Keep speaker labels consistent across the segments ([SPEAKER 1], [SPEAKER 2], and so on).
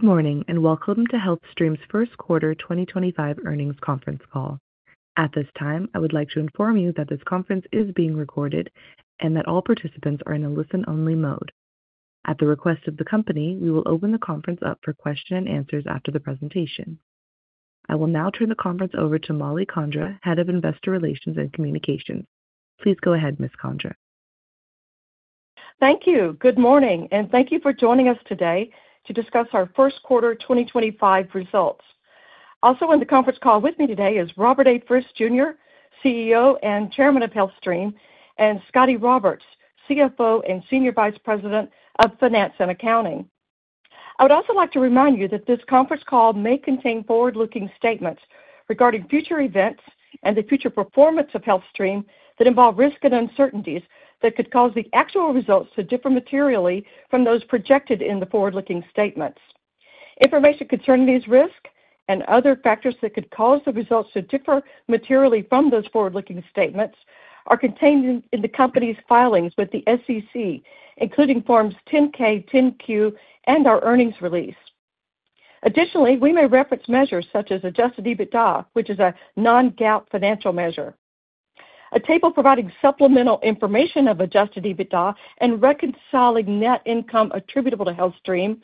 [SPEAKER 1] Good morning and welcome to HealthStream's first quarter 2025 earnings conference call. At this time, I would like to inform you that this conference is being recorded and that all participants are in a listen-only mode. At the request of the company, we will open the conference up for questions and answers after the presentation. I will now turn the conference over to Mollie Condra, Head of Investor Relations and Communications. Please go ahead, Ms. Condra.
[SPEAKER 2] Thank you. Good morning, and thank you for joining us today to discuss our first quarter 2025 results. Also, on the conference call with me today is Robert A. Frist Jr., CEO and Chairman of HealthStream, and Scotty Roberts, CFO and Senior Vice President of Finance and Accounting. I would also like to remind you that this conference call may contain forward-looking statements regarding future events and the future performance of HealthStream that involve risk and uncertainties that could cause the actual results to differ materially from those projected in the forward-looking statements. Information concerning these risks and other factors that could cause the results to differ materially from those forward-looking statements are contained in the company's filings with the SEC, including Forms 10-K, 10-Q, and our earnings release. Additionally, we may reference measures such as adjusted EBITDA, which is a non-GAAP financial measure. A table providing supplemental information of adjusted EBITDA and reconciling net income attributable to HealthStream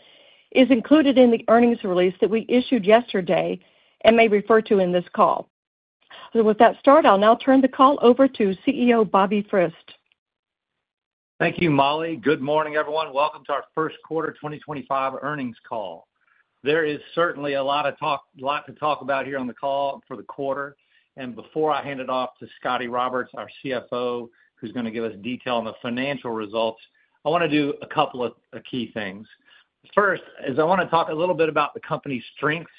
[SPEAKER 2] is included in the earnings release that we issued yesterday and may refer to in this call. With that started, I'll now turn the call over to CEO Robert Frist.
[SPEAKER 3] Thank you, Mollie. Good morning, everyone. Welcome to our first quarter 2025 earnings call. There is certainly a lot to talk about here on the call for the quarter. Before I hand it off to Scotty Roberts, our CFO, who's going to give us detail on the financial results, I want to do a couple of key things. First is I want to talk a little bit about the company's strengths.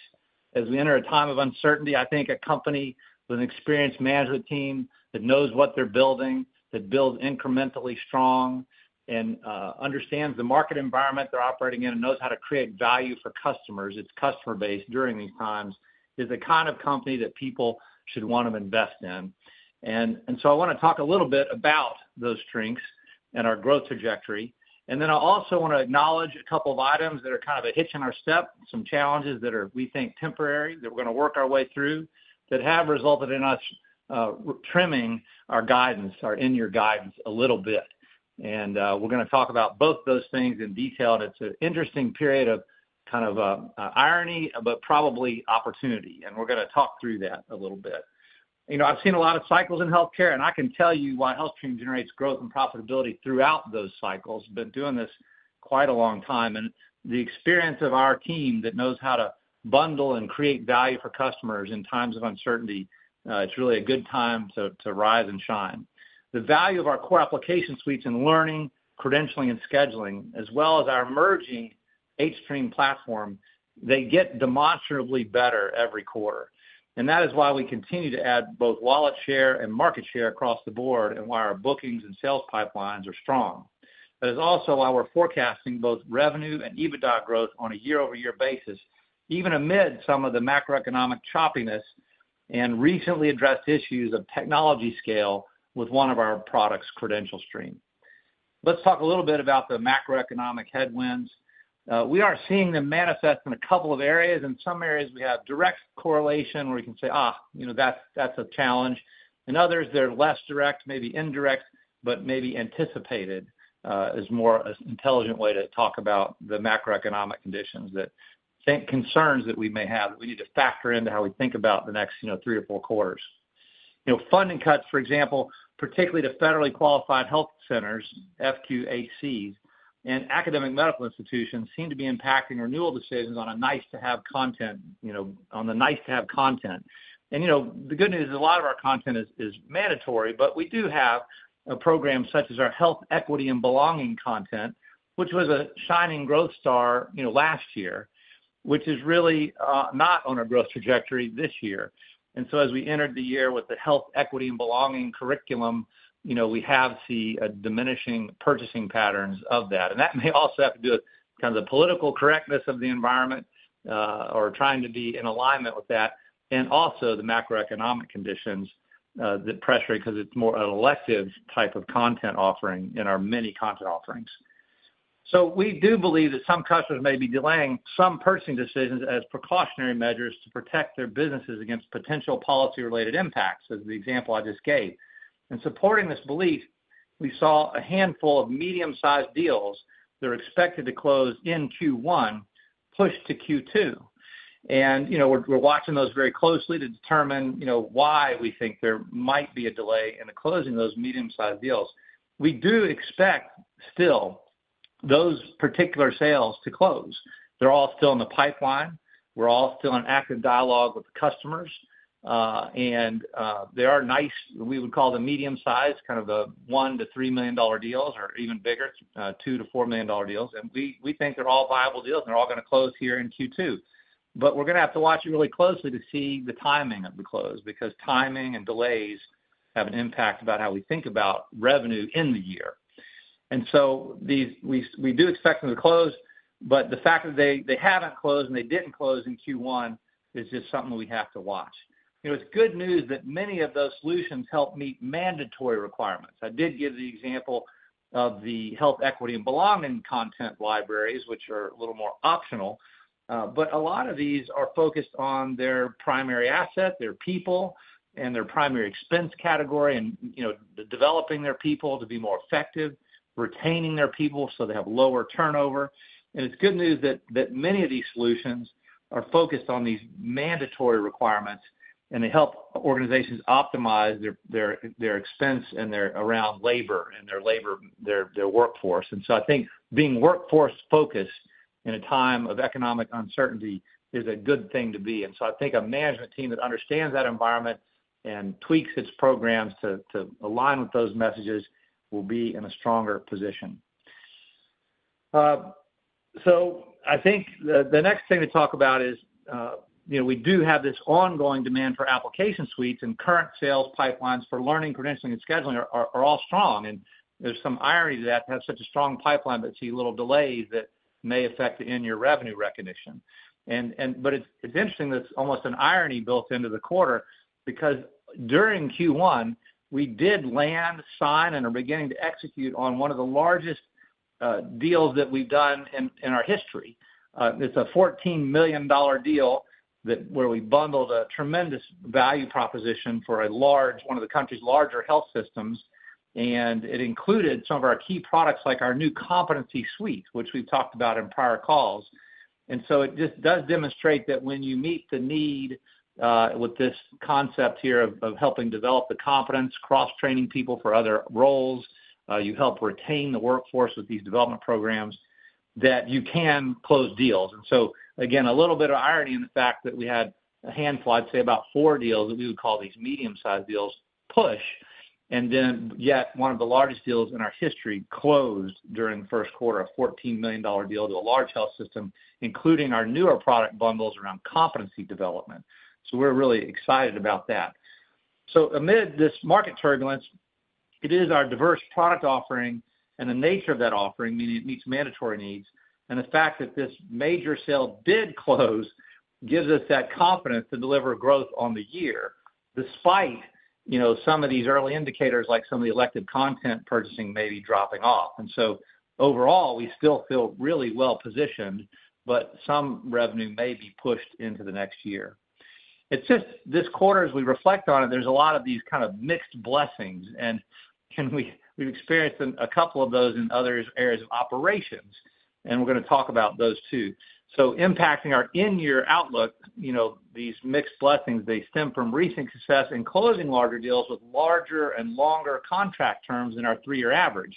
[SPEAKER 3] As we enter a time of uncertainty, I think a company with an experienced management team that knows what they're building, that builds incrementally strong, and understands the market environment they're operating in, and knows how to create value for customers, its customer base during these times, is the kind of company that people should want to invest in. I want to talk a little bit about those strengths and our growth trajectory. I also want to acknowledge a couple of items that are kind of a hitch in our step, some challenges that are, we think, temporary, that we're going to work our way through, that have resulted in us trimming our guidance, our in-your-guidance a little bit. We're going to talk about both those things in detail. It's an interesting period of kind of irony, but probably opportunity. We're going to talk through that a little bit. You know, I've seen a lot of cycles in healthcare, and I can tell you why HealthStream generates growth and profitability throughout those cycles being doing this quite a long time. The experience of our team that knows how to bundle and create value for customers in times of uncertainty, it's really a good time to rise and shine. The value of our core application suites in learning, credentialing, and scheduling, as well as our emerging HStream platform, they get demonstrably better every quarter. That is why we continue to add both wallet share and market share across the board, and why our bookings and sales pipelines are strong. That is also why we're forecasting both revenue and EBITDA growth on a year-over-year basis, even amid some of the macroeconomic choppiness and recently addressed issues of technology scale with one of our products, CredentialStream. Let's talk a little bit about the macroeconomic headwinds. We are seeing them manifest in a couple of areas. In some areas, we have direct correlation where we can say, you know, that's a challenge. In others, they're less direct, maybe indirect, but maybe anticipated is more an intelligent way to talk about the macroeconomic conditions that concerns that we may have that we need to factor into how we think about the next, you know, three or four quarters. You know, funding cuts, for example, particularly to federally qualified health centers, FQHCs, and academic medical institutions seem to be impacting renewal decisions on a nice-to-have content, you know, on the nice-to-have content. You know, the good news is a lot of our content is mandatory, but we do have a program such as our Health Equity and Belonging content, which was a shining growth star, you know, last year, which is really not on a growth trajectory this year. As we entered the year with the Health Equity and Belonging curriculum, you know, we have seen diminishing purchasing patterns of that. That may also have to do with kind of the political correctness of the environment or trying to be in alignment with that, and also the macroeconomic conditions that pressure because it's more an elective type of content offering in our many content offerings. We do believe that some customers may be delaying some purchasing decisions as precautionary measures to protect their businesses against potential policy-related impacts, as the example I just gave. Supporting this belief, we saw a handful of medium-sized deals that are expected to close in Q1 pushed to Q2. You know, we're watching those very closely to determine, you know, why we think there might be a delay in closing those medium-sized deals. We do expect still those particular sales to close. They're all still in the pipeline. We're all still in active dialogue with customers. There are nice, we would call them medium-sized, kind of the $1-$3 million deals or even bigger, $2-$4 million deals. We think they're all viable deals, and they're all going to close here in Q2. We're going to have to watch it really closely to see the timing of the close, because timing and delays have an impact about how we think about revenue in the year. We do expect them to close, but the fact that they haven't closed and they didn't close in Q1 is just something we have to watch. You know, it's good news that many of those solutions help meet mandatory requirements. I did give the example of the Health Equity and Belonging content libraries, which are a little more optional. A lot of these are focused on their primary asset, their people, and their primary expense category, and, you know, developing their people to be more effective, retaining their people so they have lower turnover. It's good news that many of these solutions are focused on these mandatory requirements, and they help organizations optimize their expense and their around labor and their labor, their workforce. I think being workforce-focused in a time of economic uncertainty is a good thing to be. I think a management team that understands that environment and tweaks its programs to align with those messages will be in a stronger position. I think the next thing to talk about is, you know, we do have this ongoing demand for application suites, and current sales pipelines for learning, credentialing, and scheduling are all strong. There's some irony to that, to have such a strong pipeline, but see little delays that may affect the in-year revenue recognition. It's interesting that it's almost an irony built into the quarter, because during Q1, we did land, sign, and are beginning to execute on one of the largest deals that we've done in our history. It's a $14 million deal where we bundled a tremendous value proposition for a large, one of the country's larger health systems. It included some of our key products, like our new Competency Suite, which we've talked about in prior calls. It just does demonstrate that when you meet the need with this concept here of helping develop the competence, cross-training people for other roles, you help retain the workforce with these development programs, that you can close deals. Again, a little bit of irony in the fact that we had a handful, I'd say about four deals that we would call these medium-sized deals push. Yet one of the largest deals in our history closed during the first quarter, a $14 million deal to a large health system, including our newer product bundles around competency development. We're really excited about that. Amid this market turbulence, it is our diverse product offering and the nature of that offering, meaning it meets mandatory needs, and the fact that this major sale did close gives us that confidence to deliver growth on the year, despite, you know, some of these early indicators, like some of the elective content purchasing may be dropping off. Overall, we still feel really well positioned, but some revenue may be pushed into the next year. It's just this quarter, as we reflect on it, there's a lot of these kind of mixed blessings. We've experienced a couple of those in other areas of operations, and we're going to talk about those too. Impacting our in-year outlook, you know, these mixed blessings, they stem from recent success in closing larger deals with larger and longer contract terms than our three-year average.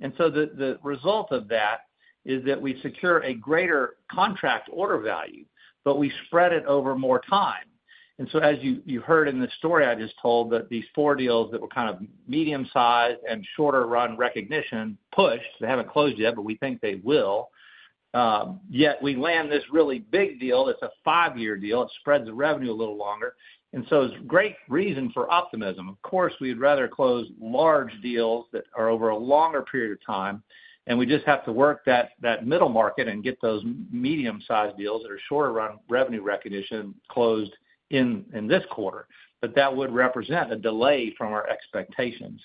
[SPEAKER 3] The result of that is that we secure a greater contract order value, but we spread it over more time. As you heard in the story I just told, these four deals that were kind of medium-sized and shorter-run recognition pushed, they have not closed yet, but we think they will. Yet we land this really big deal. It is a five-year deal. It spreads the revenue a little longer. It is a great reason for optimism. Of course, we would rather close large deals that are over a longer period of time, and we just have to work that middle market and get those medium-sized deals that are shorter-run revenue recognition closed in this quarter. That would represent a delay from our expectations.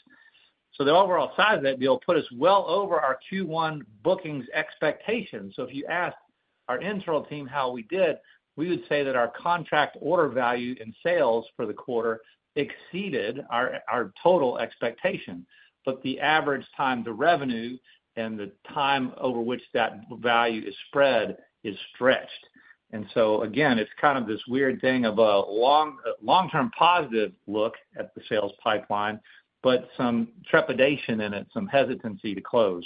[SPEAKER 3] The overall size of that deal put us well over our Q1 bookings expectations. If you asked our internal team how we did, we would say that our contract order value in sales for the quarter exceeded our total expectation. The average time, the revenue, and the time over which that value is spread is stretched. Again, it's kind of this weird thing of a long-term positive look at the sales pipeline, but some trepidation in it, some hesitancy to close.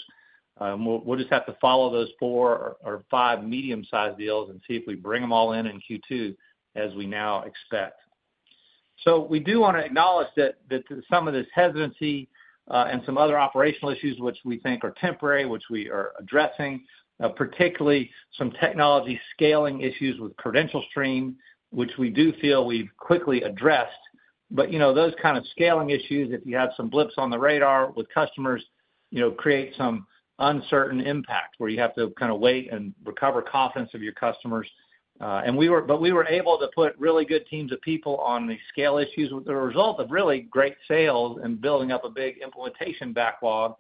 [SPEAKER 3] We'll just have to follow those four or five medium-sized deals and see if we bring them all in in Q2 as we now expect. We do want to acknowledge that some of this hesitancy and some other operational issues, which we think are temporary, which we are addressing, particularly some technology scaling issues with CredentialStream, which we do feel we've quickly addressed. You know, those kind of scaling issues, if you have some blips on the radar with customers, you know, create some uncertain impact where you have to kind of wait and recover confidence of your customers. We were able to put really good teams of people on the scale issues with the result of really great sales and building up a big implementation backlog.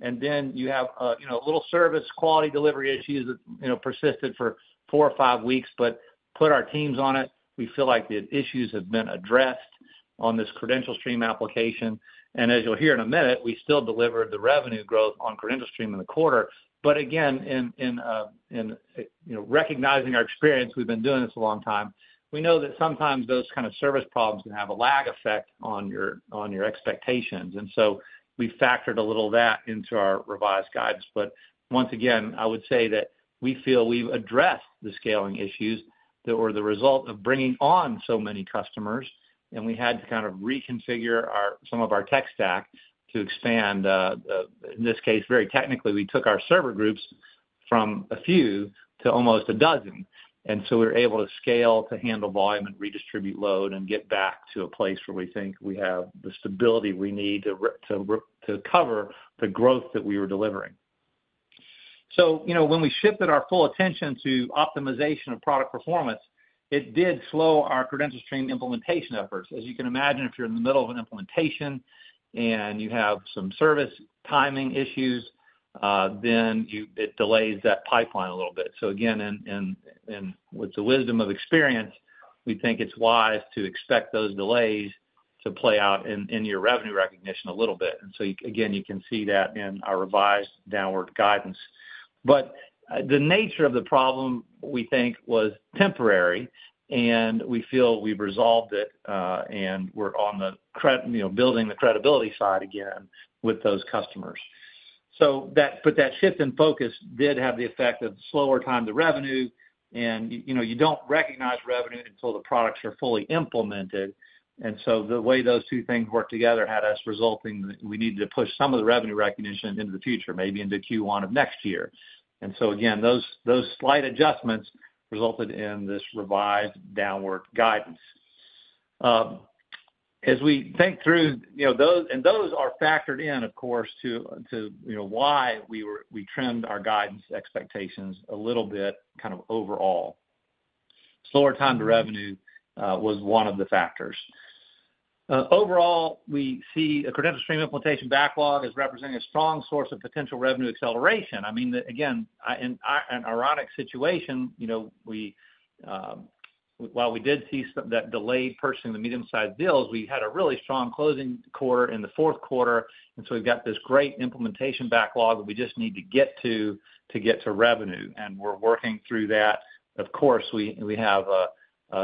[SPEAKER 3] You have, you know, little service quality delivery issues that, you know, persisted for four or five weeks, but put our teams on it. We feel like the issues have been addressed on this CredentialStream application. As you'll hear in a minute, we still delivered the revenue growth on CredentialStream in the quarter. Again, in recognizing our experience, we've been doing this a long time. We know that sometimes those kind of service problems can have a lag effect on your expectations. We factored a little of that into our revised guidance. Once again, I would say that we feel we've addressed the scaling issues that were the result of bringing on so many customers. We had to kind of reconfigure some of our tech stack to expand. In this case, very technically, we took our server groups from a few to almost a dozen. We were able to scale to handle volume and redistribute load and get back to a place where we think we have the stability we need to cover the growth that we were delivering. You know, when we shifted our full attention to optimization of product performance, it did slow our CredentialStream implementation efforts. As you can imagine, if you're in the middle of an implementation and you have some service timing issues, then it delays that pipeline a little bit. Again, with the wisdom of experience, we think it's wise to expect those delays to play out in your revenue recognition a little bit. You can see that in our revised downward guidance. The nature of the problem, we think, was temporary, and we feel we've resolved it and we're on the, you know, building the credibility side again with those customers. That shift in focus did have the effect of slower time to revenue. You know, you don't recognize revenue until the products are fully implemented. The way those two things worked together had us resulting that we needed to push some of the revenue recognition into the future, maybe into Q1 of next year. Again, those slight adjustments resulted in this revised downward guidance. As we think through, you know, those, and those are factored in, of course, to, you know, why we trimmed our guidance expectations a little bit kind of overall. Slower time to revenue was one of the factors. Overall, we see a CredentialStream implementation backlog as representing a strong source of potential revenue acceleration. I mean, again, in an ironic situation, you know, while we did see that delayed purchasing of the medium-sized deals, we had a really strong closing quarter in the fourth quarter. We have this great implementation backlog that we just need to get to, to get to revenue. We're working through that. Of course, we have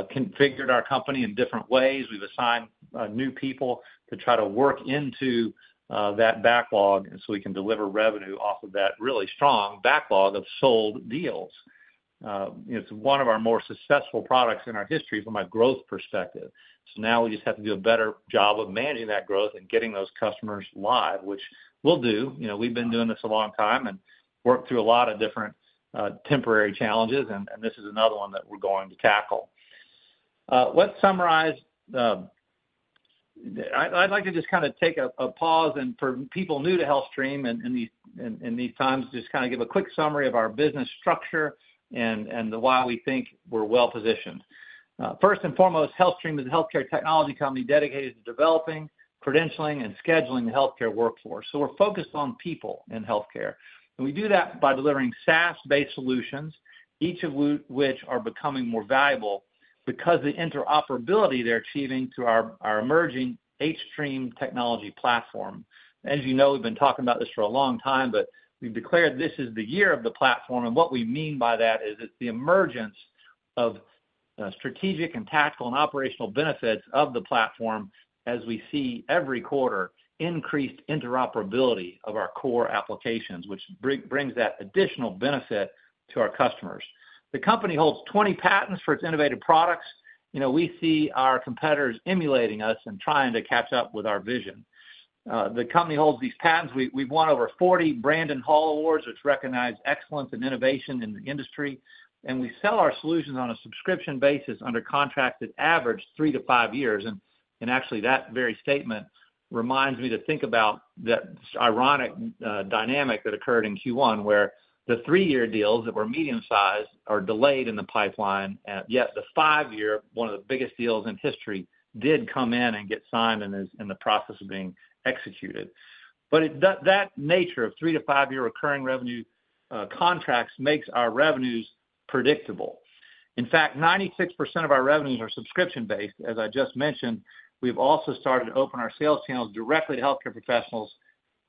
[SPEAKER 3] configured our company in different ways. We've assigned new people to try to work into that backlog so we can deliver revenue off of that really strong backlog of sold deals. It's one of our more successful products in our history from a growth perspective. Now we just have to do a better job of managing that growth and getting those customers live, which we'll do. You know, we've been doing this a long time and worked through a lot of different temporary challenges. This is another one that we're going to tackle. Let's summarize. I'd like to just kind of take a pause. For people new to HealthStream in these times, just kind of give a quick summary of our business structure and why we think we're well positioned. First and foremost, HealthStream is a healthcare technology company dedicated to developing, credentialing, and scheduling the healthcare workforce. So we're focused on people in healthcare. And we do that by delivering SaaS-based solutions, each of which are becoming more valuable because of the interoperability they're achieving through our emerging HStream technology platform. As you know, we've been talking about this for a long time, but we've declared this is the year of the platform. And what we mean by that is it's the emergence of strategic and tactical and operational benefits of the platform as we see every quarter increased interoperability of our core applications, which brings that additional benefit to our customers. The company holds 20 patents for its innovative products. You know, we see our competitors emulating us and trying to catch up with our vision. The company holds these patents. We've won over 40 Brandon Hall Awards, which recognize excellence and innovation in the industry. We sell our solutions on a subscription basis under contract that averages three to five years. Actually, that very statement reminds me to think about that ironic dynamic that occurred in Q1, where the three-year deals that were medium-sized are delayed in the pipeline. Yet the five-year, one of the biggest deals in history, did come in and get signed and is in the process of being executed. That nature of three to five-year recurring revenue contracts makes our revenues predictable. In fact, 96% of our revenues are subscription-based, as I just mentioned. We've also started to open our sales channels directly to healthcare professionals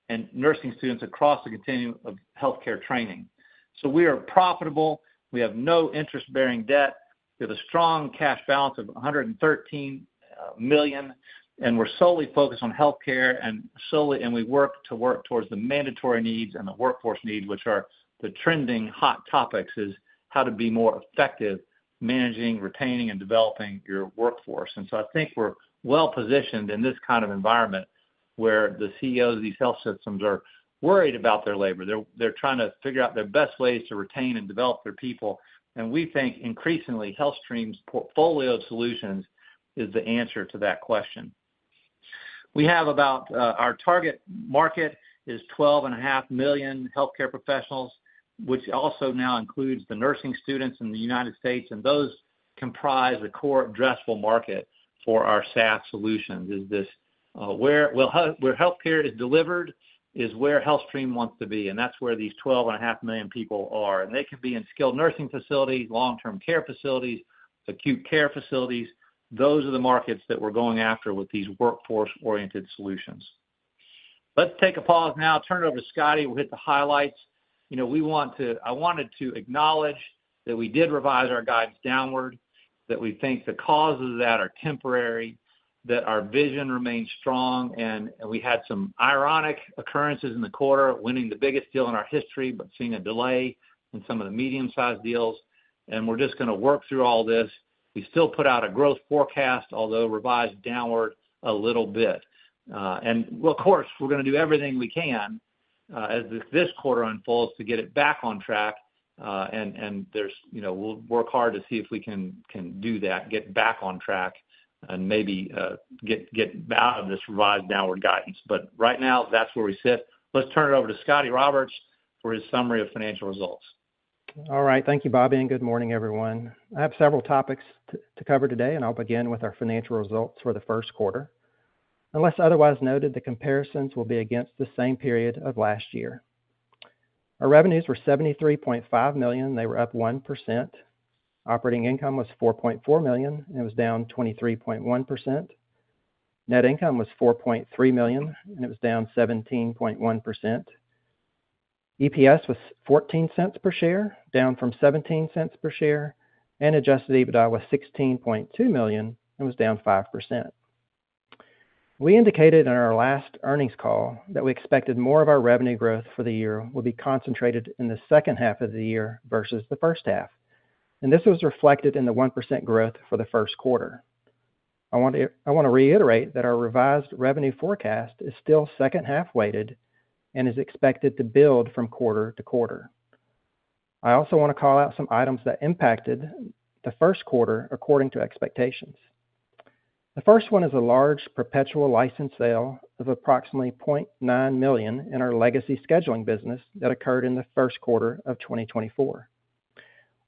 [SPEAKER 3] and nursing students across the continuum of healthcare training. We are profitable. We have no interest-bearing debt. We have a strong cash balance of $113 million. We're solely focused on healthcare and solely, and we work to work towards the mandatory needs and the workforce needs, which are the trending hot topics, is how to be more effective managing, retaining, and developing your workforce. I think we're well positioned in this kind of environment where the CEOs of these health systems are worried about their labor. They're trying to figure out their best ways to retain and develop their people. We think increasingly HealthStream's portfolio of solutions is the answer to that question. We have about our target market is 12.5 million healthcare professionals, which also now includes the nursing students in the United States. Those comprise the core addressable market for our SaaS solutions. Is this where healthcare is delivered is where HealthStream wants to be. That's where these 12.5 million people are. They can be in skilled nursing facilities, long-term care facilities, acute care facilities. Those are the markets that we're going after with these workforce-oriented solutions. Let's take a pause now. Turn it over to Scotty. We'll hit the highlights. You know, we want to, I wanted to acknowledge that we did revise our guidance downward, that we think the causes of that are temporary, that our vision remains strong. We had some ironic occurrences in the quarter, winning the biggest deal in our history, but seeing a delay in some of the medium-sized deals. We're just going to work through all this. We still put out a growth forecast, although revised downward a little bit. Of course, we're going to do everything we can as this quarter unfolds to get it back on track. There's, you know, we'll work hard to see if we can do that, get back on track, and maybe get out of this revised downward guidance. Right now, that's where we sit. Let's turn it over to Scotty Roberts for his summary of financial results.
[SPEAKER 4] All right. Thank you, Robby. Good morning, everyone. I have several topics to cover today, and I'll begin with our financial results for the first quarter. Unless otherwise noted, the comparisons will be against the same period of last year. Our revenues were $73.5 million. They were up 1%. Operating income was $4.4 million, and it was down 23.1%. Net income was $4.3 million, and it was down 17.1%. EPS was $0.14 per share, down from $0.17 per share. Adjusted EBITDA was $16.2 million and was down 5%. We indicated in our last earnings call that we expected more of our revenue growth for the year will be concentrated in the second half of the year versus the first half. This was reflected in the 1% growth for the first quarter. I want to reiterate that our revised revenue forecast is still second half weighted and is expected to build from quarter to quarter. I also want to call out some items that impacted the first quarter according to expectations. The first one is a large perpetual license sale of approximately $0.9 million in our legacy scheduling business that occurred in the first quarter of 2024.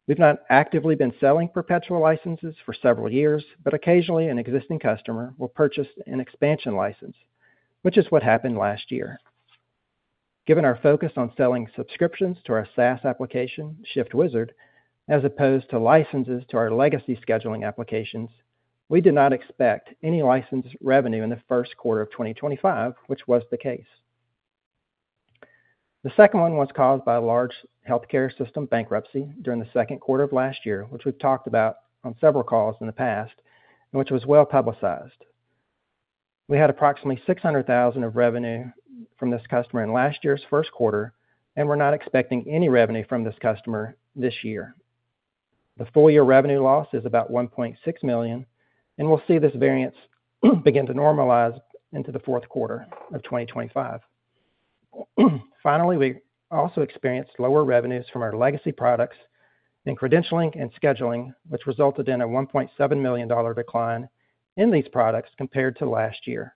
[SPEAKER 4] We've not actively been selling perpetual licenses for several years, but occasionally an existing customer will purchase an expansion license, which is what happened last year. Given our focus on selling subscriptions to our SaaS application, Shift Wizard, as opposed to licenses to our legacy scheduling applications, we did not expect any license revenue in the first quarter of 2024, which was the case. The second one was caused by a large healthcare system bankruptcy during the second quarter of last year, which we've talked about on several calls in the past, and which was well publicized. We had approximately $600,000 of revenue from this customer in last year's first quarter, and we're not expecting any revenue from this customer this year. The full-year revenue loss is about $1.6 million, and we'll see this variance begin to normalize into the fourth quarter of 2025. Finally, we also experienced lower revenues from our legacy products in credentialing and scheduling, which resulted in a $1.7 million decline in these products compared to last year.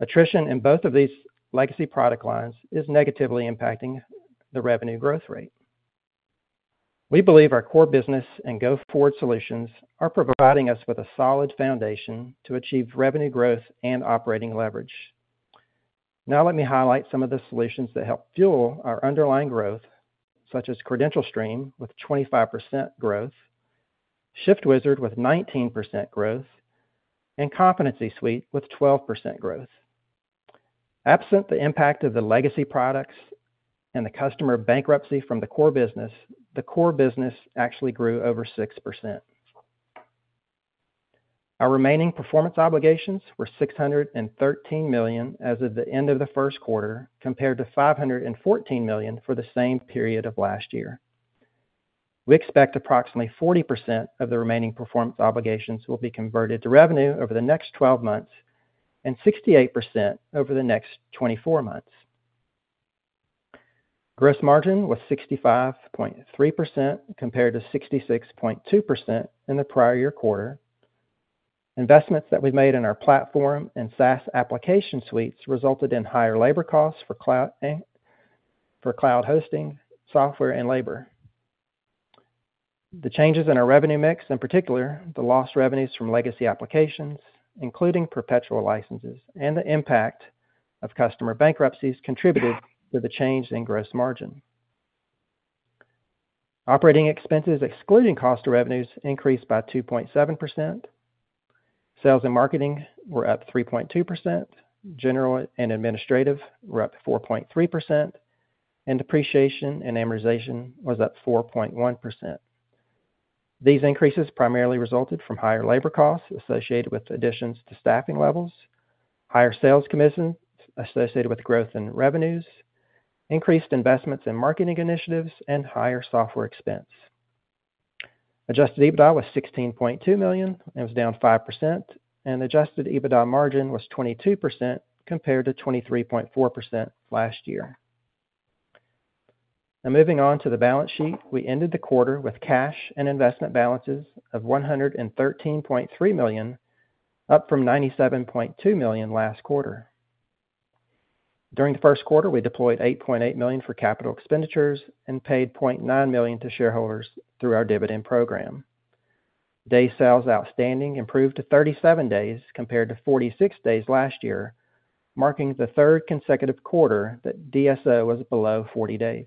[SPEAKER 4] Attrition in both of these legacy product lines is negatively impacting the revenue growth rate. We believe our core business and go-forward solutions are providing us with a solid foundation to achieve revenue growth and operating leverage. Now let me highlight some of the solutions that help fuel our underlying growth, such as CredentialStream with 25% growth, Shift Wizard with 19% growth, and Competency Suite with 12% growth. Absent the impact of the legacy products and the customer bankruptcy from the core business, the core business actually grew over 6%. Our remaining performance obligations were $613 million as of the end of the first quarter, compared to $514 million for the same period of last year. We expect approximately 40% of the remaining performance obligations will be converted to revenue over the next 12 months and 68% over the next 24 months. Gross margin was 65.3% compared to 66.2% in the prior year quarter. Investments that we've made in our platform and SaaS application suites resulted in higher labor costs for cloud hosting software and labor. The changes in our revenue mix, in particular, the lost revenues from legacy applications, including perpetual licenses, and the impact of customer bankruptcies contributed to the change in gross margin. Operating expenses excluding cost of revenues increased by 2.7%. Sales and marketing were up 3.2%. General and administrative were up 4.3%. Depreciation and amortization was up 4.1%. These increases primarily resulted from higher labor costs associated with additions to staffing levels, higher sales commissions associated with growth in revenues, increased investments in marketing initiatives, and higher software expense. Adjusted EBITDA was $16.2 million and was down 5%. Adjusted EBITDA margin was 22% compared to 23.4% last year. Now moving on to the balance sheet, we ended the quarter with cash and investment balances of $113.3 million, up from $97.2 million last quarter. During the first quarter, we deployed $8.8 million for capital expenditures and paid $0.9 million to shareholders through our dividend program. Days sales outstanding improved to 37 days compared to 46 days last year, marking the third consecutive quarter that DSO was below 40 days.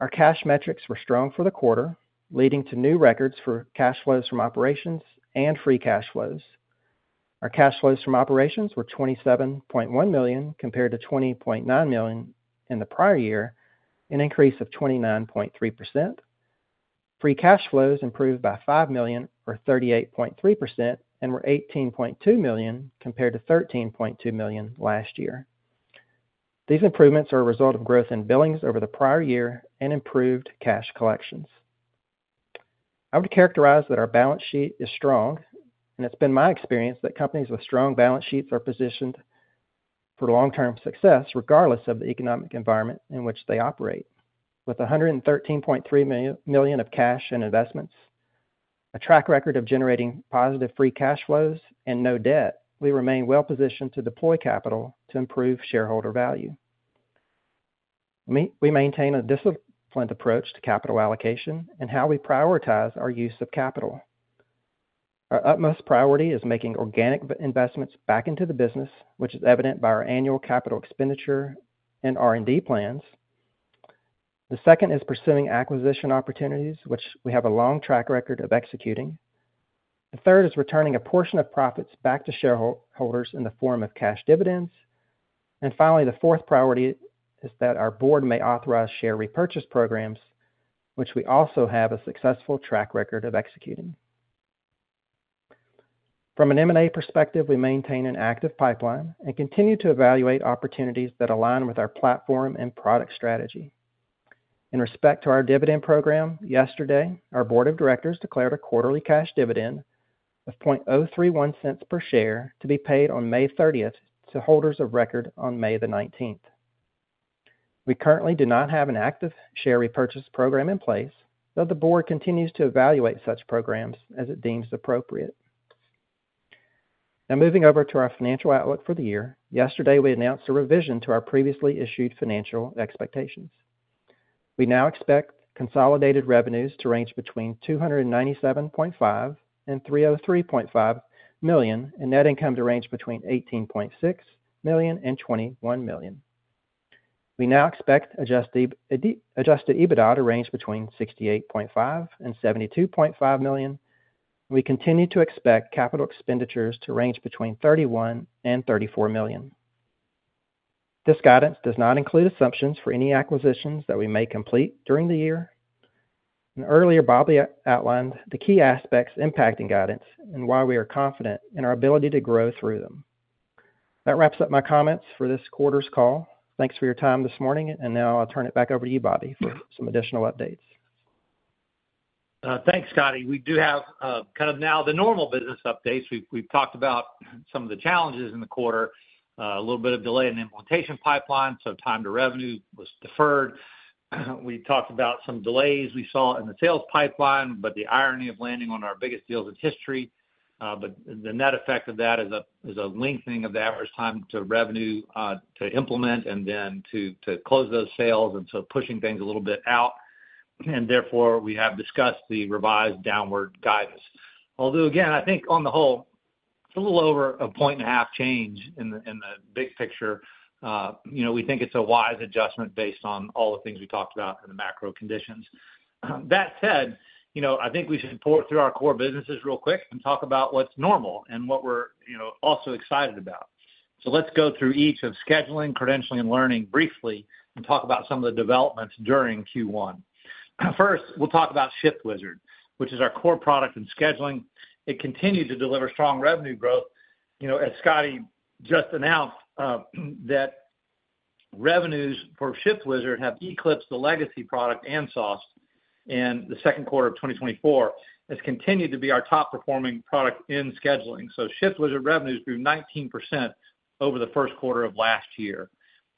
[SPEAKER 4] Our cash metrics were strong for the quarter, leading to new records for cash flows from operations and free cash flows. Our cash flows from operations were $27.1 million compared to $20.9 million in the prior year, an increase of 29.3%. Free cash flows improved by $5 million, or 38.3%, and were $18.2 million compared to $13.2 million last year. These improvements are a result of growth in billings over the prior year and improved cash collections. I would characterize that our balance sheet is strong, and it's been my experience that companies with strong balance sheets are positioned for long-term success regardless of the economic environment in which they operate. With $113.3 million of cash and investments, a track record of generating positive free cash flows and no debt, we remain well positioned to deploy capital to improve shareholder value. We maintain a disciplined approach to capital allocation and how we prioritize our use of capital. Our utmost priority is making organic investments back into the business, which is evident by our annual capital expenditure and R&D plans. The second is pursuing acquisition opportunities, which we have a long track record of executing. The third is returning a portion of profits back to shareholders in the form of cash dividends. Finally, the fourth priority is that our board may authorize share repurchase programs, which we also have a successful track record of executing. From an M&A perspective, we maintain an active pipeline and continue to evaluate opportunities that align with our platform and product strategy. In respect to our dividend program, yesterday, our board of directors declared a quarterly cash dividend of $0.031 per share to be paid on May 30 to holders of record on May 19. We currently do not have an active share repurchase program in place, though the board continues to evaluate such programs as it deems appropriate. Now moving over to our financial outlook for the year, yesterday we announced a revision to our previously issued financial expectations. We now expect consolidated revenues to range between $297.5 million and $303.5 million and net income to range between $18.6 million and $21 million. We now expect adjusted EBITDA to range between $68.5 million and $72.5 million. We continue to expect capital expenditures to range between $31 million and $34 million. This guidance does not include assumptions for any acquisitions that we may complete during the year. Earlier, Bobby outlined the key aspects impacting guidance and why we are confident in our ability to grow through them. That wraps up my comments for this quarter's call. Thanks for your time this morning. I will now turn it back over to you, Robby, for some additional updates.
[SPEAKER 3] Thanks, Scotty. We do have kind of now the normal business updates. We've talked about some of the challenges in the quarter, a little bit of delay in the implementation pipeline, so time to revenue was deferred. We talked about some delays we saw in the sales pipeline, the irony of landing on our biggest deals in history, but the net effect of that is a lengthening of the average time to revenue to implement and then to close those sales. Pushing things a little bit out. Therefore, we have discussed the revised downward guidance. Although, again, I think on the whole, it's a little over a point and a half change in the big picture. You know, we think it's a wise adjustment based on all the things we talked about in the macro conditions. That said, you know, I think we should pour through our core businesses real quick and talk about what's normal and what we're, you know, also excited about. Let's go through each of scheduling, credentialing, and learning briefly and talk about some of the developments during Q1. First, we'll talk about Shift Wizard, which is our core product in scheduling. It continued to deliver strong revenue growth. You know, as Scotty just announced, revenues for Shift Wizard have eclipsed the legacy product and SOS in the second quarter of 2024. It's continued to be our top performing product in scheduling. Shift Wizard revenues grew 19% over the first quarter of last year.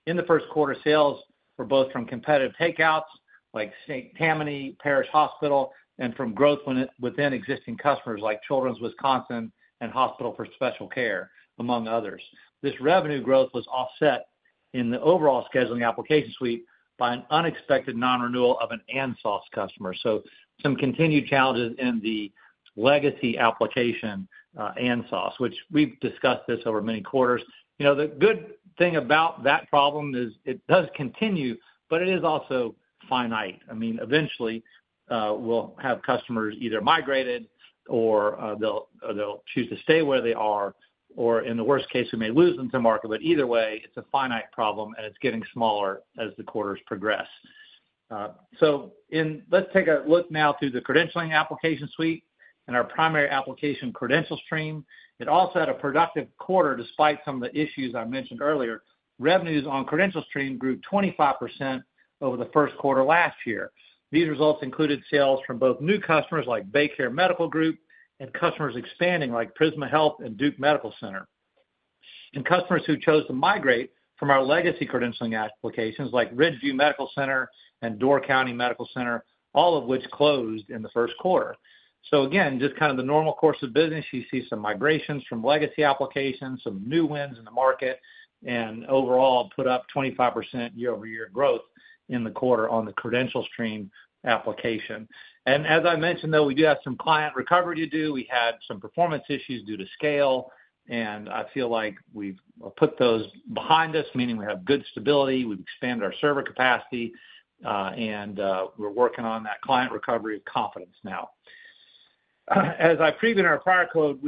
[SPEAKER 3] In the first quarter, sales were both from competitive takeouts like St. Tammany Parish Hospital and from growth within existing customers like Children's Wisconsin and Hospital for Special Care, among others. This revenue growth was offset in the overall scheduling application suite by an unexpected non-renewal of an ANSOS customer. So some continued challenges in the legacy application ANSOS, which we've discussed this over many quarters. You know, the good thing about that problem is it does continue, but it is also finite. I mean, eventually, we'll have customers either migrated or they'll choose to stay where they are, or in the worst case, we may lose them to market. But either way, it's a finite problem and it's getting smaller as the quarters progress. So let's take a look now through the credentialing application suite and our primary application, CredentialStream. It also had a productive quarter despite some of the issues I mentioned earlier. Revenues on CredentialStream grew 25% over the first quarter last year. These results included sales from both new customers like BayCare Medical Group and customers expanding like Prisma Health and Duke Medical Center. Customers who chose to migrate from our legacy credentialing applications like Ridgeview Medical Center and Door County Medical Center, all of which closed in the first quarter. Just kind of the normal course of business, you see some migrations from legacy applications, some new wins in the market, and overall put up 25% year-over-year growth in the quarter on the CredentialStream application. As I mentioned, though, we do have some client recovery to do. We had some performance issues due to scale, and I feel like we've put those behind us, meaning we have good stability. We've expanded our server capacity, and we're working on that client recovery of confidence now. As I previewed in our prior code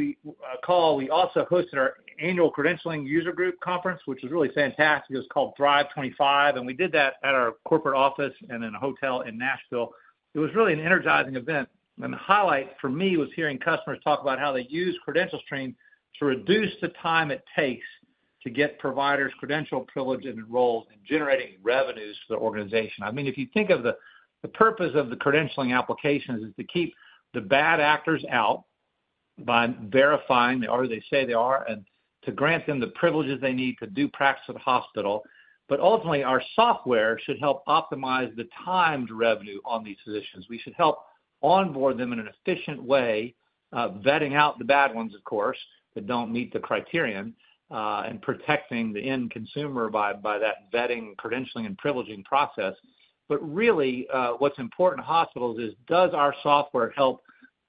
[SPEAKER 3] call, we also hosted our annual credentialing user group conference, which was really fantastic. It was called Drive 25, and we did that at our corporate office and in a hotel in Nashville. It was really an energizing event. The highlight for me was hearing customers talk about how they use CredentialStream to reduce the time it takes to get providers credentialed, privileged, and enrolled and generating revenues for the organization. I mean, if you think of the purpose of the credentialing applications, it is to keep the bad actors out by verifying they are who they say they are and to grant them the privileges they need to practice at a hospital. Ultimately, our software should help optimize the time to revenue on these positions. We should help onboard them in an efficient way, vetting out the bad ones, of course, that do not meet the criterion and protecting the end consumer by that vetting, credentialing, and privileging process. Really, what is important to hospitals is, does our software help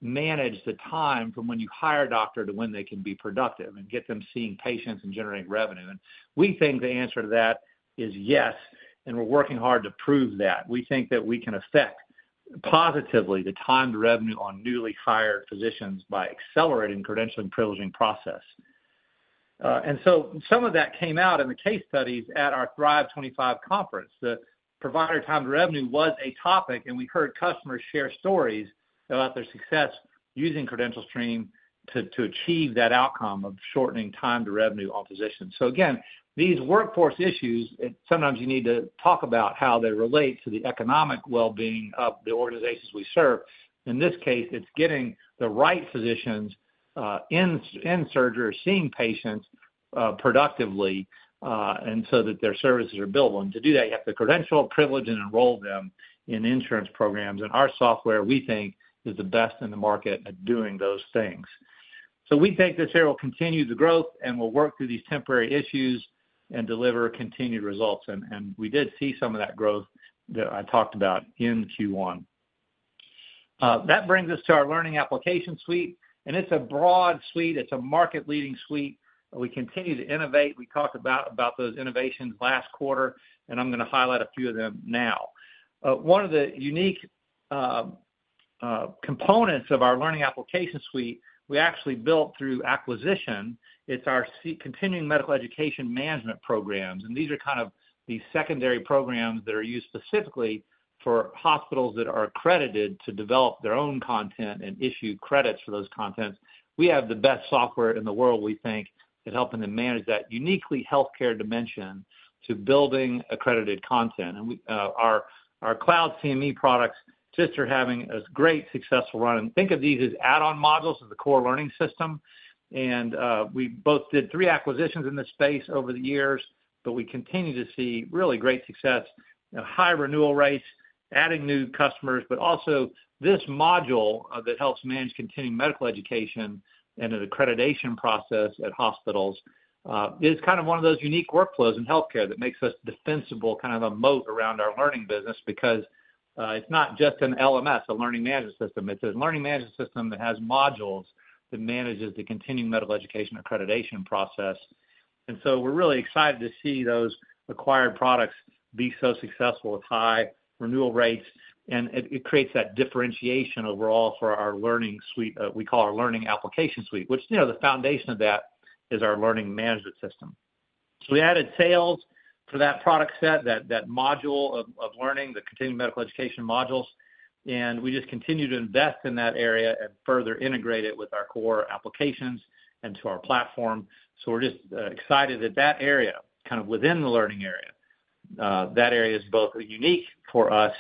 [SPEAKER 3] manage the time from when you hire a doctor to when they can be productive and get them seeing patients and generating revenue? We think the answer to that is yes, and we are working hard to prove that. We think that we can affect positively the timed revenue on newly hired physicians by accelerating the credentialing privileging process. Some of that came out in the case studies at our Thrive 25 conference. The provider timed revenue was a topic, and we heard customers share stories about their success using CredentialStream to achieve that outcome of shortening timed revenue on physicians. Again, these workforce issues, sometimes you need to talk about how they relate to the economic well-being of the organizations we serve. In this case, it's getting the right physicians in surgery or seeing patients productively and so that their services are billable. To do that, you have to credential, privilege, and enroll them in insurance programs. Our software, we think, is the best in the market at doing those things. We think this area will continue to grow, and we'll work through these temporary issues and deliver continued results. We did see some of that growth that I talked about in Q1. That brings us to our learning application suite, and it's a broad suite. It's a market-leading suite. We continue to innovate. We talked about those innovations last quarter, and I'm going to highlight a few of them now. One of the unique components of our learning application suite, we actually built through acquisition. It's our continuing medical education management programs, and these are kind of the secondary programs that are used specifically for hospitals that are accredited to develop their own content and issue credits for those contents. We have the best software in the world, we think, at helping them manage that uniquely healthcare dimension to building accredited content. Our Cloud CME products just are having a great successful run. Think of these as add-on modules of the core learning system. We both did three acquisitions in this space over the years, but we continue to see really great success, high renewal rates, adding new customers, but also this module that helps manage continuing medical education and an accreditation process at hospitals is kind of one of those unique workflows in healthcare that makes us defensible, kind of a moat around our learning business because it's not just an LMS, a learning management system. It's a learning management system that has modules that manages the continuing medical education accreditation process. We are really excited to see those acquired products be so successful with high renewal rates, and it creates that differentiation overall for our learning suite. We call our learning application suite, which, you know, the foundation of that is our learning management system. We added sales for that product set, that module of learning, the continuing medical education modules, and we just continue to invest in that area and further integrate it with our core applications and to our platform. We're just excited that that area kind of within the learning area, that area is both unique for us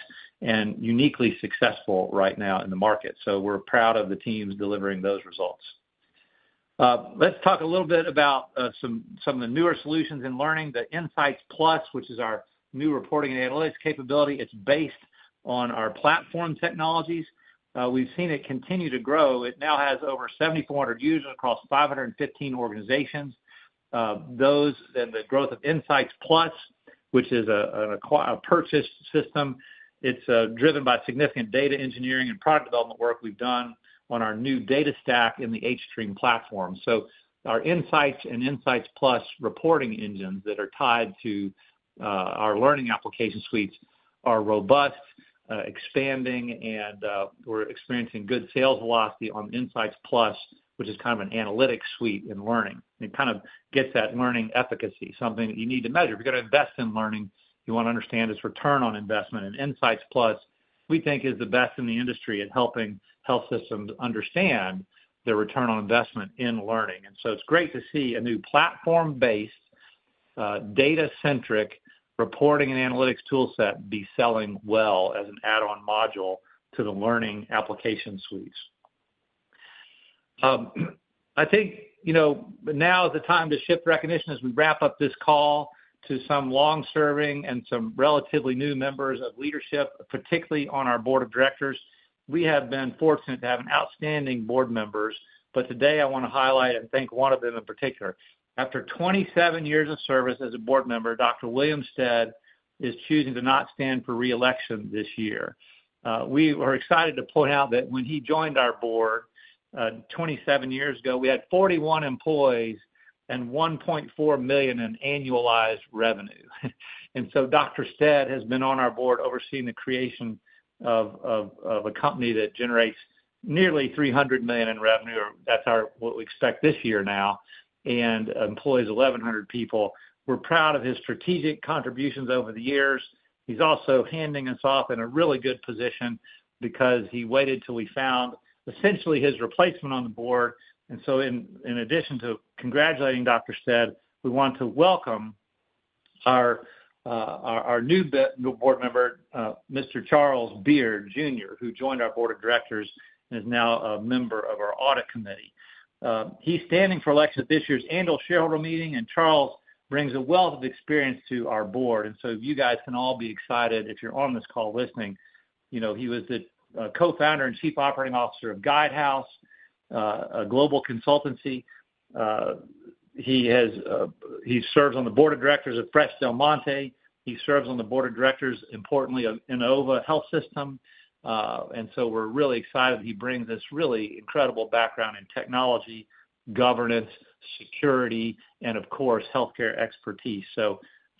[SPEAKER 3] and uniquely successful right now in the market. We're proud of the teams delivering those results. Let's talk a little bit about some of the newer solutions in learning, the Insights Plus, which is our new reporting and analytics capability. It's based on our platform technologies. We've seen it continue to grow. It now has over 7,400 users across 515 organizations. Those and the growth of Insights Plus, which is a purchased system, it's driven by significant data engineering and product development work we've done on our new data stack in the HStream platform. Our Insights and Insights Plus reporting engines that are tied to our learning application suites are robust, expanding, and we're experiencing good sales velocity on Insights Plus, which is kind of an analytics suite in learning. It kind of gets that learning efficacy, something that you need to measure. If you're going to invest in learning, you want to understand its return on investment. Insights Plus, we think, is the best in the industry at helping health systems understand their return on investment in learning. It is great to see a new platform-based, data-centric reporting and analytics toolset be selling well as an add-on module to the learning application suites. I think, you know, now is the time to shift recognition as we wrap up this call to some long-serving and some relatively new members of leadership, particularly on our board of directors. We have been fortunate to have outstanding board members, but today I want to highlight and thank one of them in particular. After 27 years of service as a board member, Dr. William Stead is choosing to not stand for reelection this year. We are excited to point out that when he joined our board 27 years ago, we had 41 employees and $1.4 million in annualized revenue. Dr. Stead has been on our board overseeing the creation of a company that generates nearly $300 million in revenue. That is what we expect this year now and employs 1,100 people. We are proud of his strategic contributions over the years. He's also handing us off in a really good position because he waited till we found essentially his replacement on the board. In addition to congratulating Dr. Stead, we want to welcome our new board member, Mr. Charles Beard Jr., who joined our board of directors and is now a member of our audit committee. He's standing for election at this year's annual shareholder meeting, and Charles brings a wealth of experience to our board. You guys can all be excited if you're on this call listening. You know, he was the co-founder and chief operating officer of GuideHouse, a global consultancy. He serves on the board of directors of Fresh Del Monte. He serves on the board of directors, importantly, of Innova Health System. We're really excited he brings this really incredible background in technology, governance, security, and of course, healthcare expertise.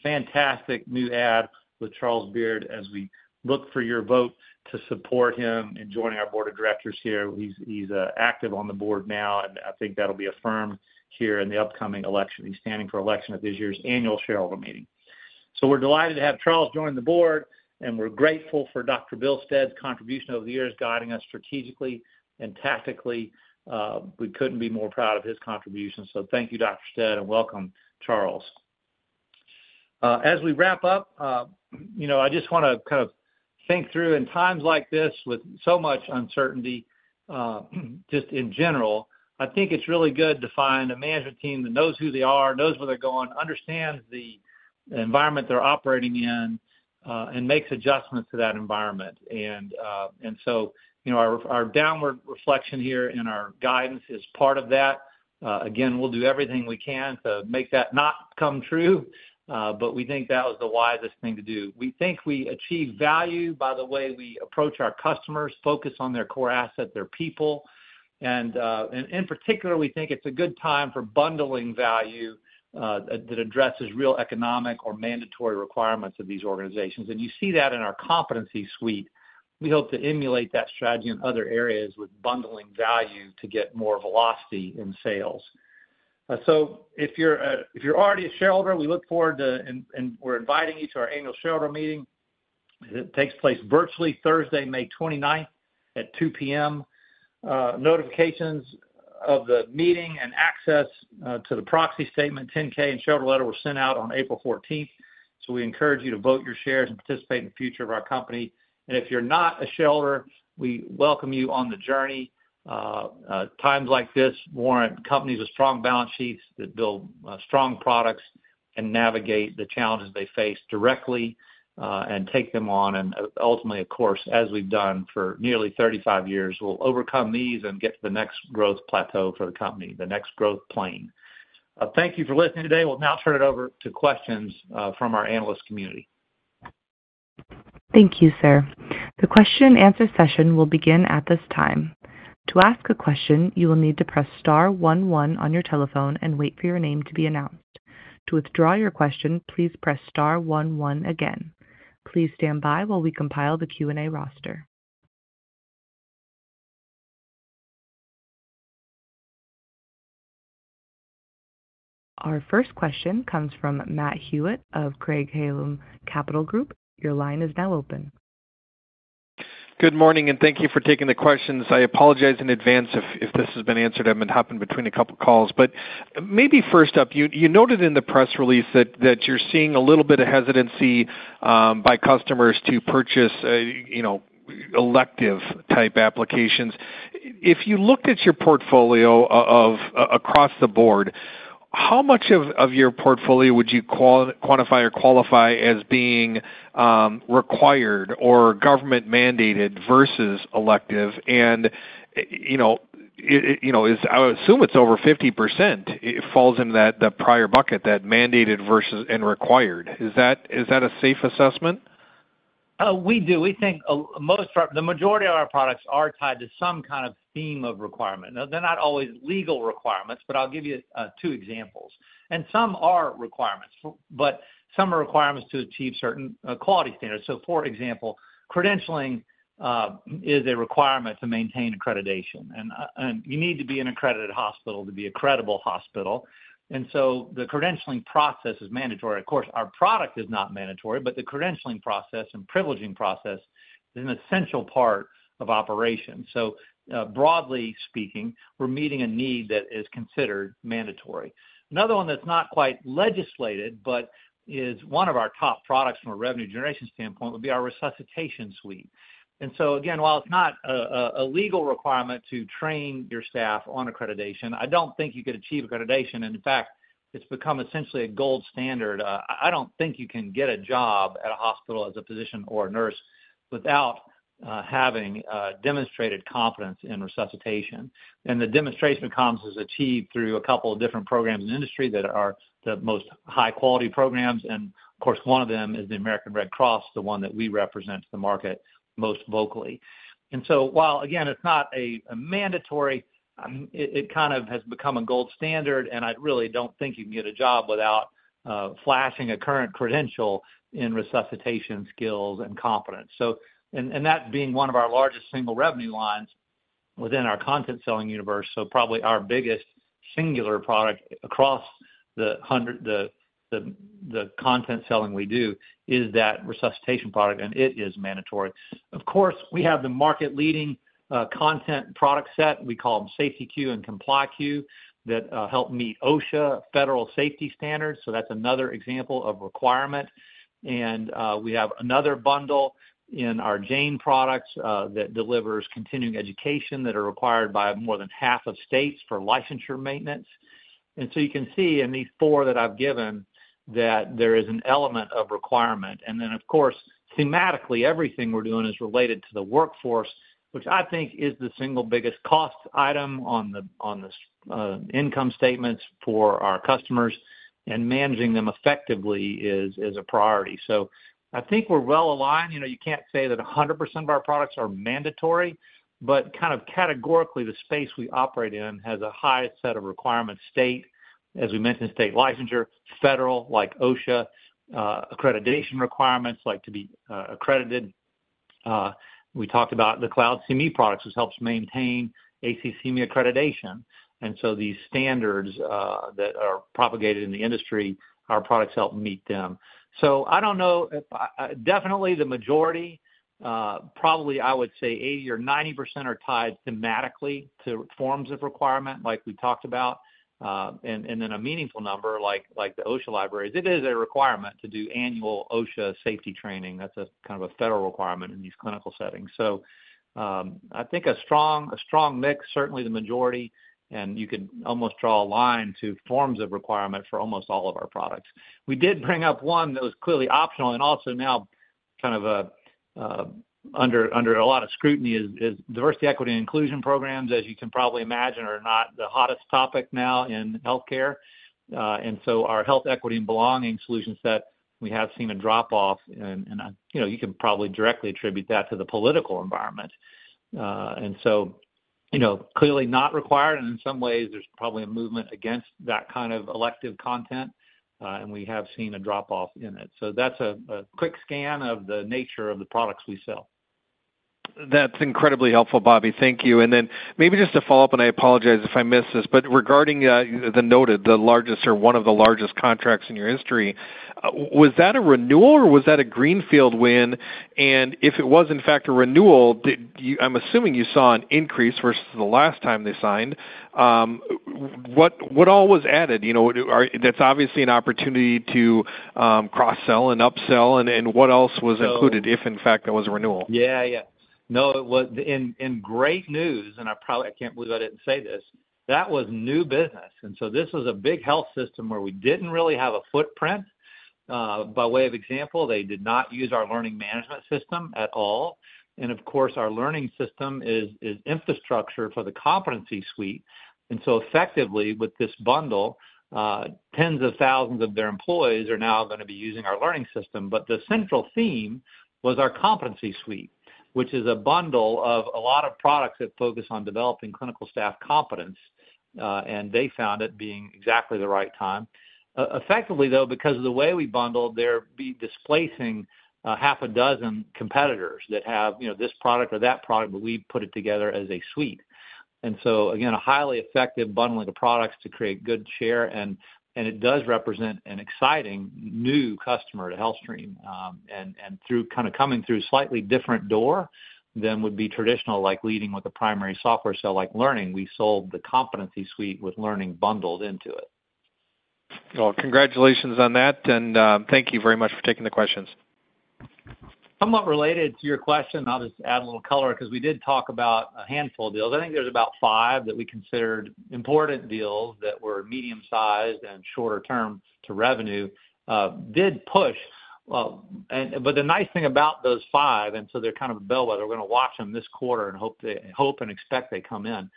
[SPEAKER 3] Fantastic new add with Charles Beard as we look for your vote to support him in joining our board of directors here. He's active on the board now, and I think that'll be affirmed here in the upcoming election. He's standing for election at this year's annual shareholder meeting. We're delighted to have Charles join the board, and we're grateful for Dr. Bill Stead's contribution over the years guiding us strategically and tactically. We couldn't be more proud of his contribution. Thank you, Dr. Stead, and welcome, Charles. As we wrap up, you know, I just want to kind of think through in times like this with so much uncertainty, just in general, I think it's really good to find a management team that knows who they are, knows where they're going, understands the environment they're operating in, and makes adjustments to that environment. You know, our downward reflection here in our guidance is part of that. Again, we'll do everything we can to make that not come true, but we think that was the wisest thing to do. We think we achieve value by the way we approach our customers, focus on their core assets, their people. In particular, we think it's a good time for bundling value that addresses real economic or mandatory requirements of these organizations. You see that in our Competency Suite. We hope to emulate that strategy in other areas with bundling value to get more velocity in sales. If you're already a shareholder, we look forward to, and we're inviting you to our annual shareholder meeting. It takes place virtually Thursday, May 29th at 2:00 P.M. Notifications of the meeting and access to the proxy statement, 10-K and shareholder letter were sent out on April 14th. We encourage you to vote your shares and participate in the future of our company. If you're not a shareholder, we welcome you on the journey. Times like this warrant companies with strong balance sheets that build strong products and navigate the challenges they face directly and take them on. Ultimately, of course, as we've done for nearly 35 years, we'll overcome these and get to the next growth plateau for the company, the next growth plane. Thank you for listening today. We'll now turn it over to questions from our analyst community.
[SPEAKER 1] Thank you, sir. The question-and-answer session will begin at this time. To ask a question, you will need to press *11 on your telephone and wait for your name to be announced. To withdraw your question, please press *11 again. Please stand by while we compile the Q&A roaster. Our first question comes from Matt Hewitt of Craig-Hallum Capital Group. Your line is now open.
[SPEAKER 5] Good morning, and thank you for taking the questions. I apologize in advance if this has been answered. I've been hopping between a couple of calls. Maybe first up, you noted in the press release that you're seeing a little bit of hesitancy by customers to purchase, you know, elective-type applications. If you looked at your portfolio across the board, how much of your portfolio would you quantify or qualify as being required or government-mandated versus elective? You know, I assume it's over 50%. It falls into that prior bucket, that mandated versus required. Is that a safe assessment?
[SPEAKER 3] We do. We think most, the majority of our products are tied to some kind of theme of requirement. Now, they're not always legal requirements, but I'll give you two examples. And some are requirements, but some are requirements to achieve certain quality standards. For example, credentialing is a requirement to maintain accreditation. You need to be in an accredited hospital to be a credible hospital. The credentialing process is mandatory. Of course, our product is not mandatory, but the credentialing process and privileging process is an essential part of operations. Broadly speaking, we're meeting a need that is considered mandatory. Another one that's not quite legislated, but is one of our top products from a revenue generation standpoint, would be our Resuscitation Suite. Again, while it's not a legal requirement to train your staff on accreditation, I don't think you could achieve accreditation. In fact, it's become essentially a gold standard. I don't think you can get a job at a hospital as a physician or a nurse without having demonstrated confidence in resuscitation. The demonstration of confidence is achieved through a couple of different programs in the industry that are the most high-quality programs. Of course, one of them is the American Red Cross, the one that we represent to the market most vocally. While again, it's not mandatory, it kind of has become a gold standard, and I really don't think you can get a job without flashing a current credential in resuscitation skills and confidence. That being one of our largest single revenue lines within our content selling universe, probably our biggest singular product across the content selling we do is that resuscitation product, and it is mandatory. Of course, we have the market-leading content product set. We call them Safety Queue and Comply Queue that help meet OSHA federal safety standards. That is another example of requirement. We have another bundle in our JANE products that delivers continuing education that are required by more than half of states for licensure maintenance. You can see in these four that I have given that there is an element of requirement. Of course, thematically, everything we are doing is related to the workforce, which I think is the single biggest cost item on the income statements for our customers. Managing them effectively is a priority. I think we are well aligned. You know, you can't say that 100% of our products are mandatory, but kind of categorically, the space we operate in has a high set of requirements, state, as we mentioned, state licensure, federal like OSHA accreditation requirements like to be accredited. We talked about the CloudCME products, which helps maintain ACCME accreditation. These standards that are propagated in the industry, our products help meet them. I don't know if definitely the majority, probably I would say 80% or 90% are tied thematically to forms of requirement like we talked about. A meaningful number like the OSHA libraries, it is a requirement to do annual OSHA safety training. That is kind of a federal requirement in these clinical settings. I think a strong mix, certainly the majority, and you can almost draw a line to forms of requirement for almost all of our products. We did bring up one that was clearly optional and also now kind of under a lot of scrutiny is diversity, equity, and inclusion programs. As you can probably imagine, are not the hottest topic now in healthcare. Our health, equity, and belonging solutions that we have seen a drop off. You know, you can probably directly attribute that to the political environment. Clearly not required. In some ways, there's probably a movement against that kind of elective content. We have seen a drop off in it. That's a quick scan of the nature of the products we sell.
[SPEAKER 5] That's incredibly helpful, Robby. Thank you. Maybe just to follow up, and I apologize if I missed this, but regarding the noted, the largest or one of the largest contracts in your history, was that a renewal or was that a greenfield win? And if it was, in fact, a renewal, I'm assuming you saw an increase versus the last time they signed. What all was added? You know, that's obviously an opportunity to cross-sell and upsell. What else was included if, in fact, that was a renewal?
[SPEAKER 3] Yeah, yeah. No, it was great news. I probably, I can't believe I didn't say this. That was new business. This was a big health system where we didn't really have a footprint. By way of example, they did not use our learning management system at all. Of course, our learning system is infrastructure for the Competency Suite. Effectively, with this bundle, tens of thousands of their employees are now going to be using our learning system. The central theme was our Competency Suite, which is a bundle of a lot of products that focus on developing clinical staff competence. They found it being exactly the right time. Effectively, though, because of the way we bundled, they're displacing half a dozen competitors that have, you know, this product or that product, but we put it together as a suite. Again, a highly effective bundling of products to create good share. It does represent an exciting new customer to HealthStream. Through kind of coming through a slightly different door than would be traditional, like leading with a primary software sale like learning, we sold the Competency Suite with learning bundled into it.
[SPEAKER 5] Congratulations on that. Thank you very much for taking the questions.
[SPEAKER 3] Somewhat related to your question, I'll just add a little color because we did talk about a handful of deals. I think there's about five that we considered important deals that were medium-sized and shorter-term to revenue. Did push. The nice thing about those five, and so they're kind of a bellwether, we're going to watch them this quarter and hope and expect they come in.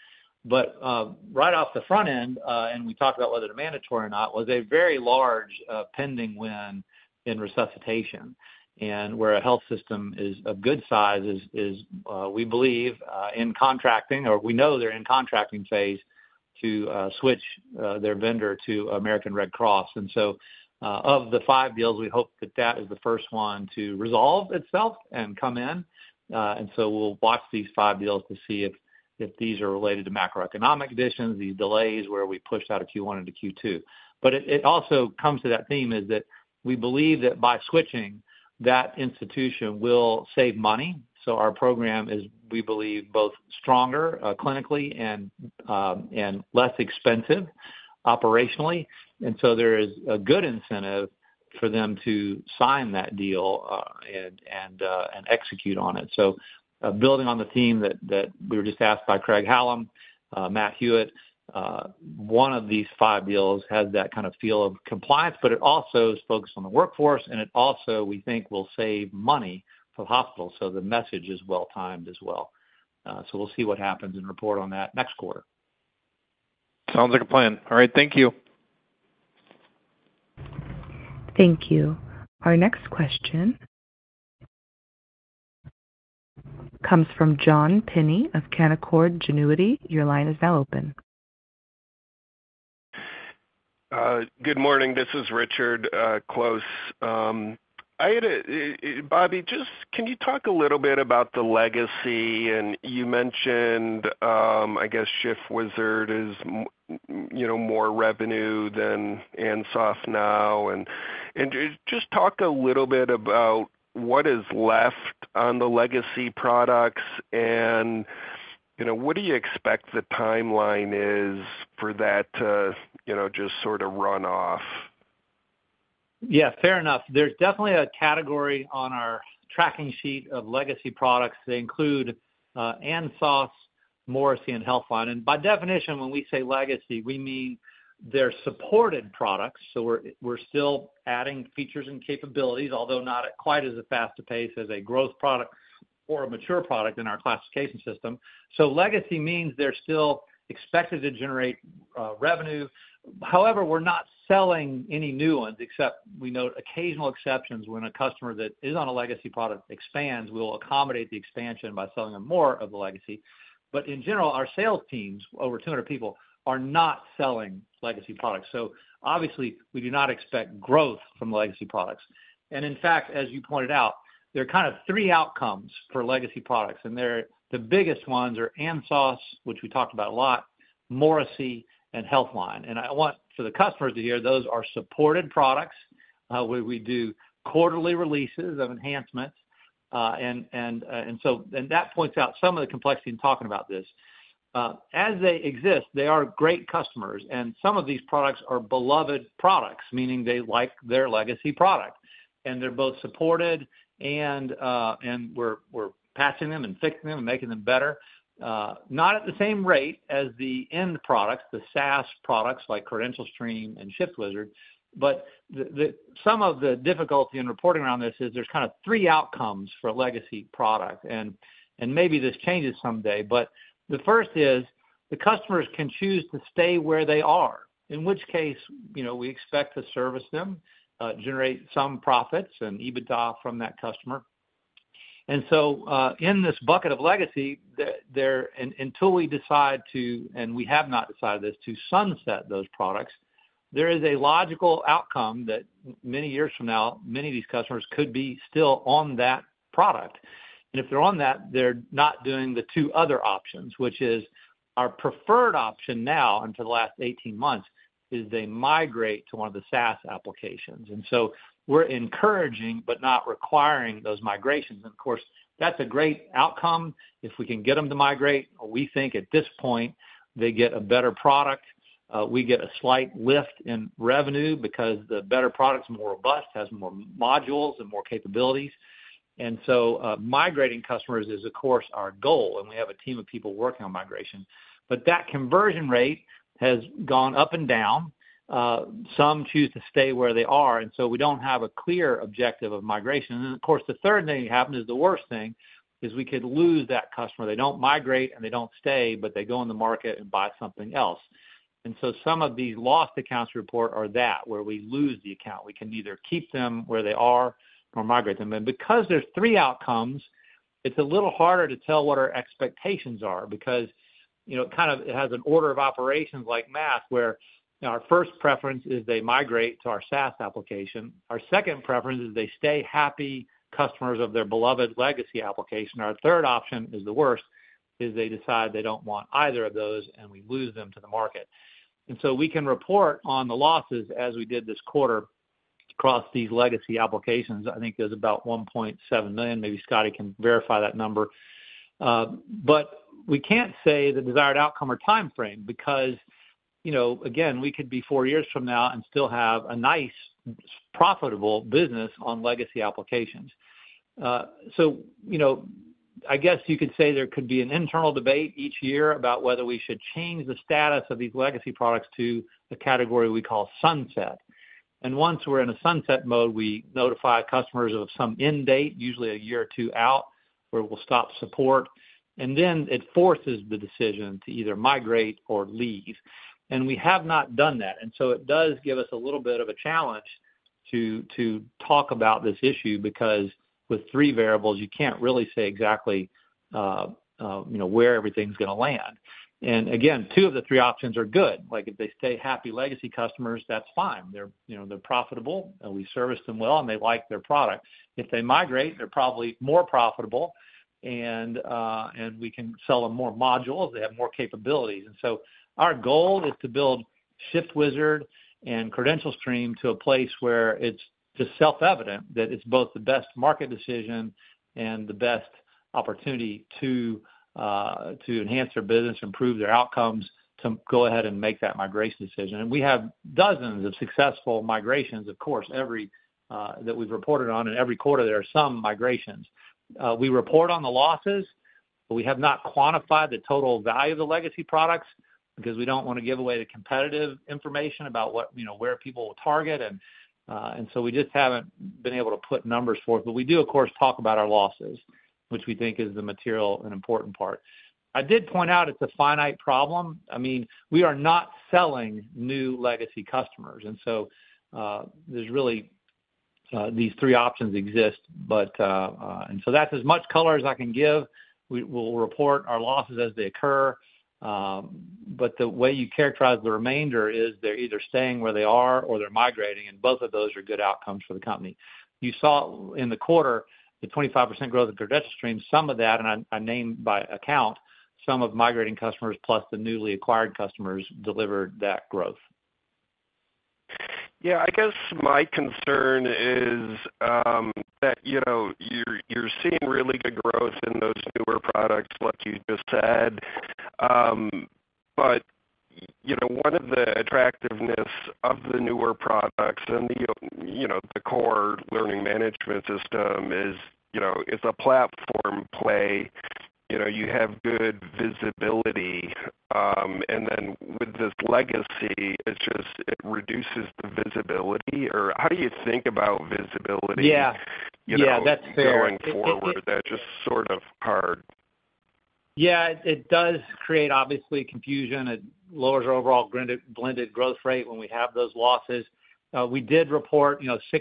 [SPEAKER 3] Right off the front end, and we talked about whether to mandatory or not, was a very large pending win in resuscitation. Where a health system is of good size is, we believe, in contracting, or we know they're in contracting phase to switch their vendor to American Red Cross. Of the five deals, we hope that that is the first one to resolve itself and come in. We will watch these five deals to see if these are related to macroeconomic conditions, these delays where we pushed out of Q1 into Q2. It also comes to that theme that we believe that by switching, that institution will save money. Our program is, we believe, both stronger clinically and less expensive operationally. There is a good incentive for them to sign that deal and execute on it. Building on the theme that we were just asked by Craig-Hallum, Matt Hewitt, one of these five deals has that kind of feel of compliance, but it also is focused on the workforce. It also, we think, will save money for the hospital. The message is well timed as well. We will see what happens and report on that next quarter.
[SPEAKER 5] Sounds like a plan. All right, thank you.
[SPEAKER 1] Thank you. Our next question comes from John Pinney of Canaccord Genuity.Your line is now open.
[SPEAKER 6] Good morning. This is Richard Close. Robby, just can you talk a little bit about the legacy? And you mentioned, I guess, ShiftWizard is, you know, more revenue than ANSOS now. And just talk a little bit about what is left on the legacy products and, you know, what do you expect the timeline is for that to, you know, just sort of run off?
[SPEAKER 3] Yeah, fair enough. There is definitely a category on our tracking sheet of legacy products that include ANSOS, Morrissey, and HealthLine. And by definition, when we say legacy, we mean they are supported products. So we are still adding features and capabilities, although not quite as fast a pace as a growth product or a mature product in our classification system. So legacy means they are still expected to generate revenue. However, we're not selling any new ones, except we note occasional exceptions when a customer that is on a legacy product expands, we'll accommodate the expansion by selling them more of the legacy. In general, our sales teams, over 200 people, are not selling legacy products. Obviously, we do not expect growth from legacy products. In fact, as you pointed out, there are kind of three outcomes for legacy products. The biggest ones are ANSOS, which we talked about a lot, Morrissey, and HealthLine. I want for the customers to hear those are supported products. We do quarterly releases of enhancements. That points out some of the complexity in talking about this. As they exist, they are great customers. Some of these products are beloved products, meaning they like their legacy product. They're both supported and we're patching them and fixing them and making them better. Not at the same rate as the end products, the SaaS products like CredentialStream and Shift Wizard. Some of the difficulty in reporting around this is there's kind of three outcomes for a legacy product. Maybe this changes someday. The first is the customers can choose to stay where they are, in which case, you know, we expect to service them, generate some profits and EBITDA from that customer. In this bucket of legacy, until we decide to, and we have not decided this, to sunset those products, there is a logical outcome that many years from now, many of these customers could be still on that product. If they're on that, they're not doing the two other options, which is our preferred option now until the last 18 months is they migrate to one of the SaaS applications. We are encouraging, but not requiring those migrations. Of course, that's a great outcome if we can get them to migrate. We think at this point, they get a better product. We get a slight lift in revenue because the better product is more robust, has more modules, and more capabilities. Migrating customers is, of course, our goal. We have a team of people working on migration. That conversion rate has gone up and down. Some choose to stay where they are. We do not have a clear objective of migration. Of course, the third thing that happens is the worst thing is we could lose that customer. They do not migrate and they do not stay, but they go in the market and buy something else. Some of these lost accounts report are that where we lose the account. We can either keep them where they are or migrate them. Because there are three outcomes, it is a little harder to tell what our expectations are because, you know, it kind of has an order of operations like math where our first preference is they migrate to our SaaS application. Our second preference is they stay happy customers of their beloved legacy application. Our third option, which is the worst, is they decide they do not want either of those and we lose them to the market. We can report on the losses as we did this quarter across these legacy applications. I think there is about $1.7 million. Maybe Scotty can verify that number. We can't say the desired outcome or timeframe because, you know, again, we could be four years from now and still have a nice profitable business on legacy applications. You know, I guess you could say there could be an internal debate each year about whether we should change the status of these legacy products to the category we call sunset. Once we're in a sunset mode, we notify customers of some end date, usually a year or two out, where we'll stop support. It forces the decision to either migrate or leave. We have not done that. It does give us a little bit of a challenge to talk about this issue because with three variables, you can't really say exactly, you know, where everything's going to land. Again, two of the three options are good. Like if they stay happy legacy customers, that's fine. They're, you know, they're profitable and we service them well and they like their product. If they migrate, they're probably more profitable and we can sell them more modules. They have more capabilities. Our goal is to build Shift Wizard and CredentialStream to a place where it's just self-evident that it's both the best market decision and the best opportunity to enhance their business, improve their outcomes, to go ahead and make that migration decision. We have dozens of successful migrations, of course, that we've reported on. Every quarter, there are some migrations. We report on the losses, but we have not quantified the total value of the legacy products because we don't want to give away the competitive information about what, you know, where people will target. We just have not been able to put numbers forth. We do, of course, talk about our losses, which we think is the material and important part. I did point out it is a finite problem. I mean, we are not selling new legacy customers. There are really these three options that exist. That is as much color as I can give. We will report our losses as they occur. The way you characterize the remainder is they are either staying where they are or they are migrating. Both of those are good outcomes for the company. You saw in the quarter the 25% growth of CredentialStream. Some of that, and I named by account, some of migrating customers plus the newly acquired customers delivered that growth.
[SPEAKER 6] Yeah, I guess my concern is that, you know, you're seeing really good growth in those newer products, like you just said. But, you know, one of the attractiveness of the newer products and the, you know, the core Learning Management System is, you know, it's a platform play. You know, you have good visibility. And then with this legacy, it just, it reduces the visibility or how do you think about visibility?
[SPEAKER 3] Yeah, yeah, that's fair.
[SPEAKER 6] Going forward, that's just sort of hard.
[SPEAKER 3] Yeah, it does create, obviously, confusion. It lowers our overall blended growth rate when we have those losses. We did report, you know, 6%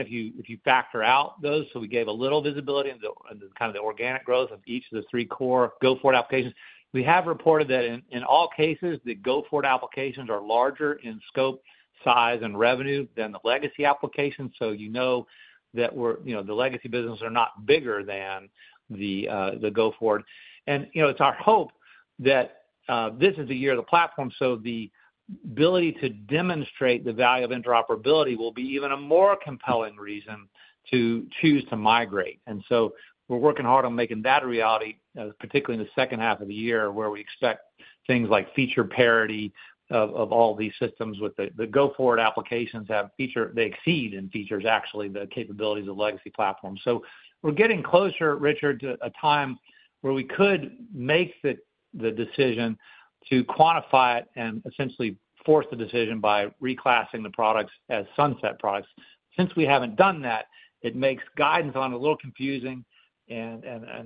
[SPEAKER 3] if you factor out those. So we gave a little visibility in the kind of the organic growth of each of the three core GoFord applications. We have reported that in all cases, the GoFord applications are larger in scope, size, and revenue than the legacy applications. So you know that we're, you know, the legacy business are not bigger than the GoFord. And, you know, it's our hope that this is the year of the platform. The ability to demonstrate the value of interoperability will be even a more compelling reason to choose to migrate. We're working hard on making that a reality, particularly in the second half of the year, where we expect things like feature parity of all these systems with the GoFord applications. They have feature, they exceed in features actually the capabilities of legacy platforms. We're getting closer, Richard, to a time where we could make the decision to quantify it and essentially force the decision by reclassing the products as sunset products. Since we haven't done that, it makes guidance on it a little confusing. I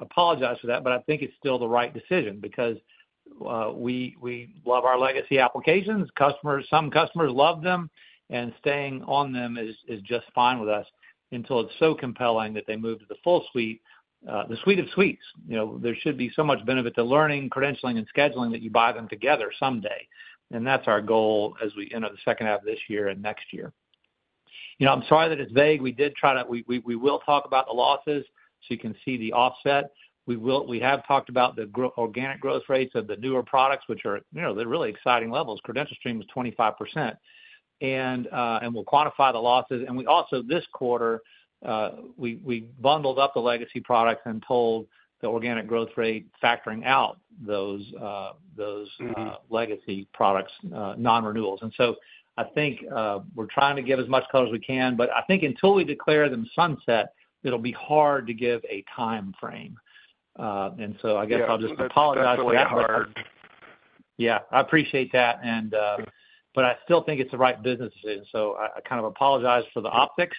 [SPEAKER 3] apologize for that, but I think it's still the right decision because we love our legacy applications. Customers, some customers love them. Staying on them is just fine with us until it's so compelling that they move to the full suite, the suite of suites. You know, there should be so much benefit to learning, credentialing, and scheduling that you buy them together someday. That's our goal as we enter the second half of this year and next year. You know, I'm sorry that it's vague. We did try to, we will talk about the losses so you can see the offset. We will, we have talked about the organic growth rates of the newer products, which are, you know, they're really exciting levels. CredentialStream was 25%. We'll quantify the losses. We also, this quarter, bundled up the legacy products and told the organic growth rate, factoring out those legacy products, non-renewals. I think we're trying to give as much color as we can. I think until we declare them sunset, it'll be hard to give a timeframe. I guess I'll just apologize for that part. I appreciate that. I still think it's the right business decision. I kind of apologize for the optics.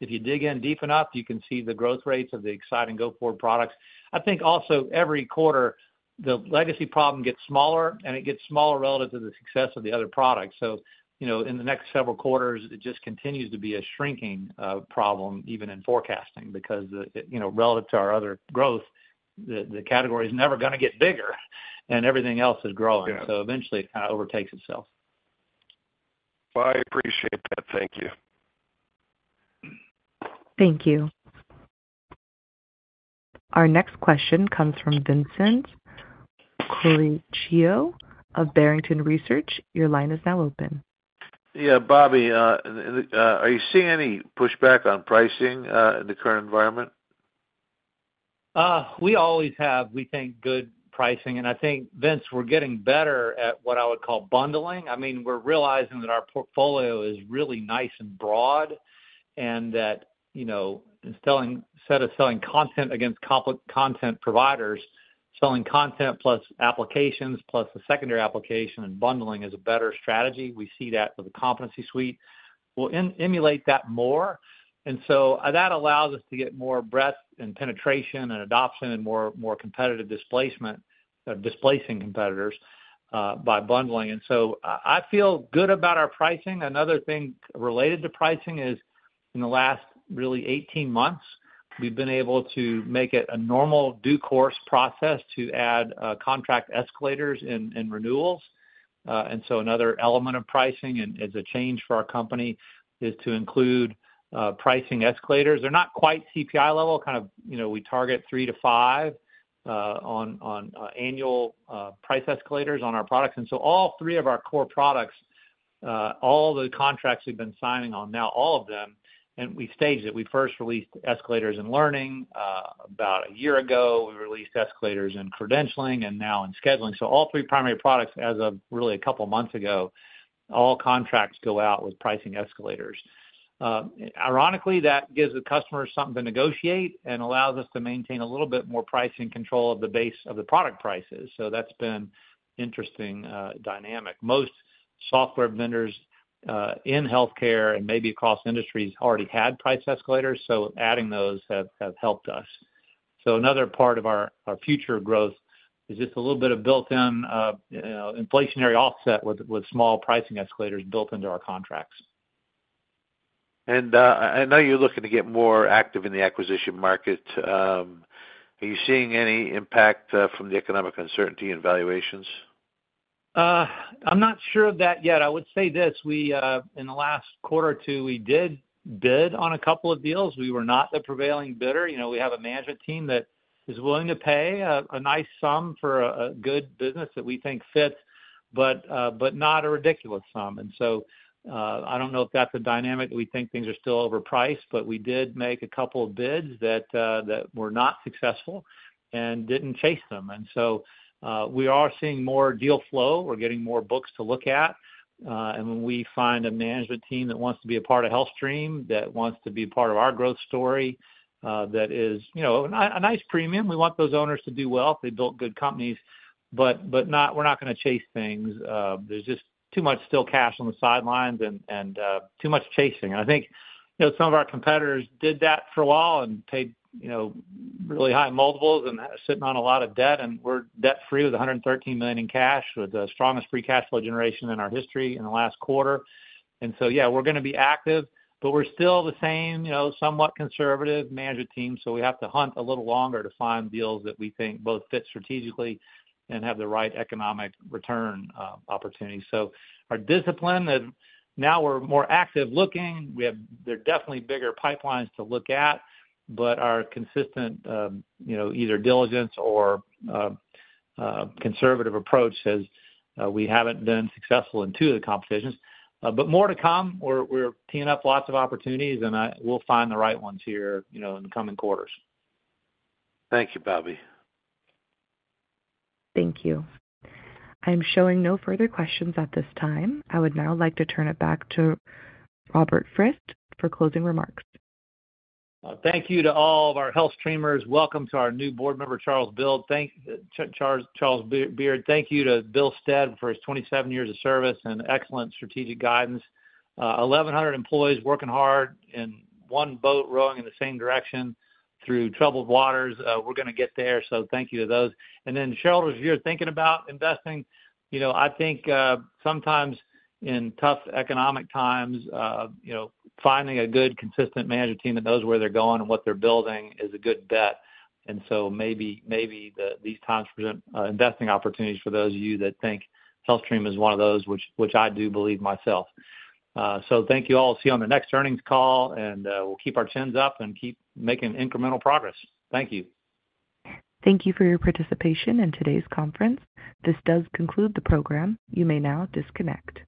[SPEAKER 3] If you dig in deep enough, you can see the growth rates of the exciting GoFord products. I think also every quarter, the legacy problem gets smaller and it gets smaller relative to the success of the other products. You know, in the next several quarters, it just continues to be a shrinking problem even in forecasting because, you know, relative to our other growth, the category is never going to get bigger and everything else is growing. Eventually, it kind of overtakes itself.
[SPEAKER 6] I appreciate that. Thank you.
[SPEAKER 1] Thank you. Our next question comes from Vincent Corricchio of Barrington Research. Your line is now open.
[SPEAKER 7] Yeah, Robby, are you seeing any pushback on pricing in the current environment?
[SPEAKER 3] We always have, we think, good pricing. I think, Vince, we're getting better at what I would call bundling. I mean, we're realizing that our portfolio is really nice and broad and that, you know, instead of selling content against content providers, selling content plus applications plus a secondary application and bundling is a better strategy. We see that with the Competency Suite. We'll emulate that more. That allows us to get more breadth and penetration and adoption and more competitive displacement, displacing competitors by bundling. I feel good about our pricing. Another thing related to pricing is in the last really 18 months, we've been able to make it a normal due course process to add contract escalators and renewals. Another element of pricing, and it's a change for our company, is to include pricing escalators. They're not quite CPI level. Kind of, you know, we target 3-5% on annual price escalators on our products. All three of our core products, all the contracts we've been signing on now, all of them, and we staged it. We first released escalators in learning about a year ago. We released escalators in credentialing and now in scheduling. All three primary products as of really a couple of months ago, all contracts go out with pricing escalators. Ironically, that gives the customers something to negotiate and allows us to maintain a little bit more pricing control of the base of the product prices. That's been an interesting dynamic. Most software vendors in healthcare and maybe across industries already had price escalators. Adding those have helped us. Another part of our future growth is just a little bit of built-in, you know, inflationary offset with small pricing escalators built into our contracts.
[SPEAKER 7] I know you're looking to get more active in the acquisition market. Are you seeing any impact from the economic uncertainty in valuations?
[SPEAKER 3] I'm not sure of that yet. I would say this. In the last quarter or two, we did bid on a couple of deals. We were not the prevailing bidder. You know, we have a management team that is willing to pay a nice sum for a good business that we think fits, but not a ridiculous sum. I do not know if that is a dynamic that we think things are still overpriced, but we did make a couple of bids that were not successful and did not chase them. We are seeing more deal flow. We are getting more books to look at. When we find a management team that wants to be a part of HealthStream, that wants to be part of our growth story, that is, you know, a nice premium. We want those owners to do well if they built good companies. We are not going to chase things. There is just too much still cash on the sidelines and too much chasing. I think, you know, some of our competitors did that for a while and paid, you know, really high multiples and sitting on a lot of debt. We are debt-free with $113 million in cash, with the strongest free cash flow generation in our history in the last quarter. Yeah, we are going to be active, but we are still the same, you know, somewhat conservative management team. We have to hunt a little longer to find deals that we think both fit strategically and have the right economic return opportunity. Our discipline, now we are more active looking. There are definitely bigger pipelines to look at, but our consistent, you know, either diligence or conservative approach has we have not been successful in two of the competitions. More to come. We're teeing up lots of opportunities and we'll find the right ones here, you know, in the coming quarters.
[SPEAKER 7] Thank you, Robby. Thank you. I'm showing no further questions at this time. I would now like to turn it back to Robert Frist for closing remarks.
[SPEAKER 3] Thank you to all of our HealthStreamers. Welcome to our new board member, Charles Beard. Thank you to Bill Stead for his 27 years of service and excellent strategic guidance. 1,100 employees working hard in one boat rowing in the same direction through troubled waters. We're going to get there. So thank you to those. And then Cheryl, if you're thinking about investing, you know, I think sometimes in tough economic times, you know, finding a good, consistent management team that knows where they're going and what they're building is a good bet. Maybe these times present investing opportunities for those of you that think HealthStream is one of those, which I do believe myself. Thank you all. See you on the next earnings call and we'll keep our chins up and keep making incremental progress. Thank you.
[SPEAKER 1] Thank you for your participation in today's conference. This does conclude the program. You may now disconnect.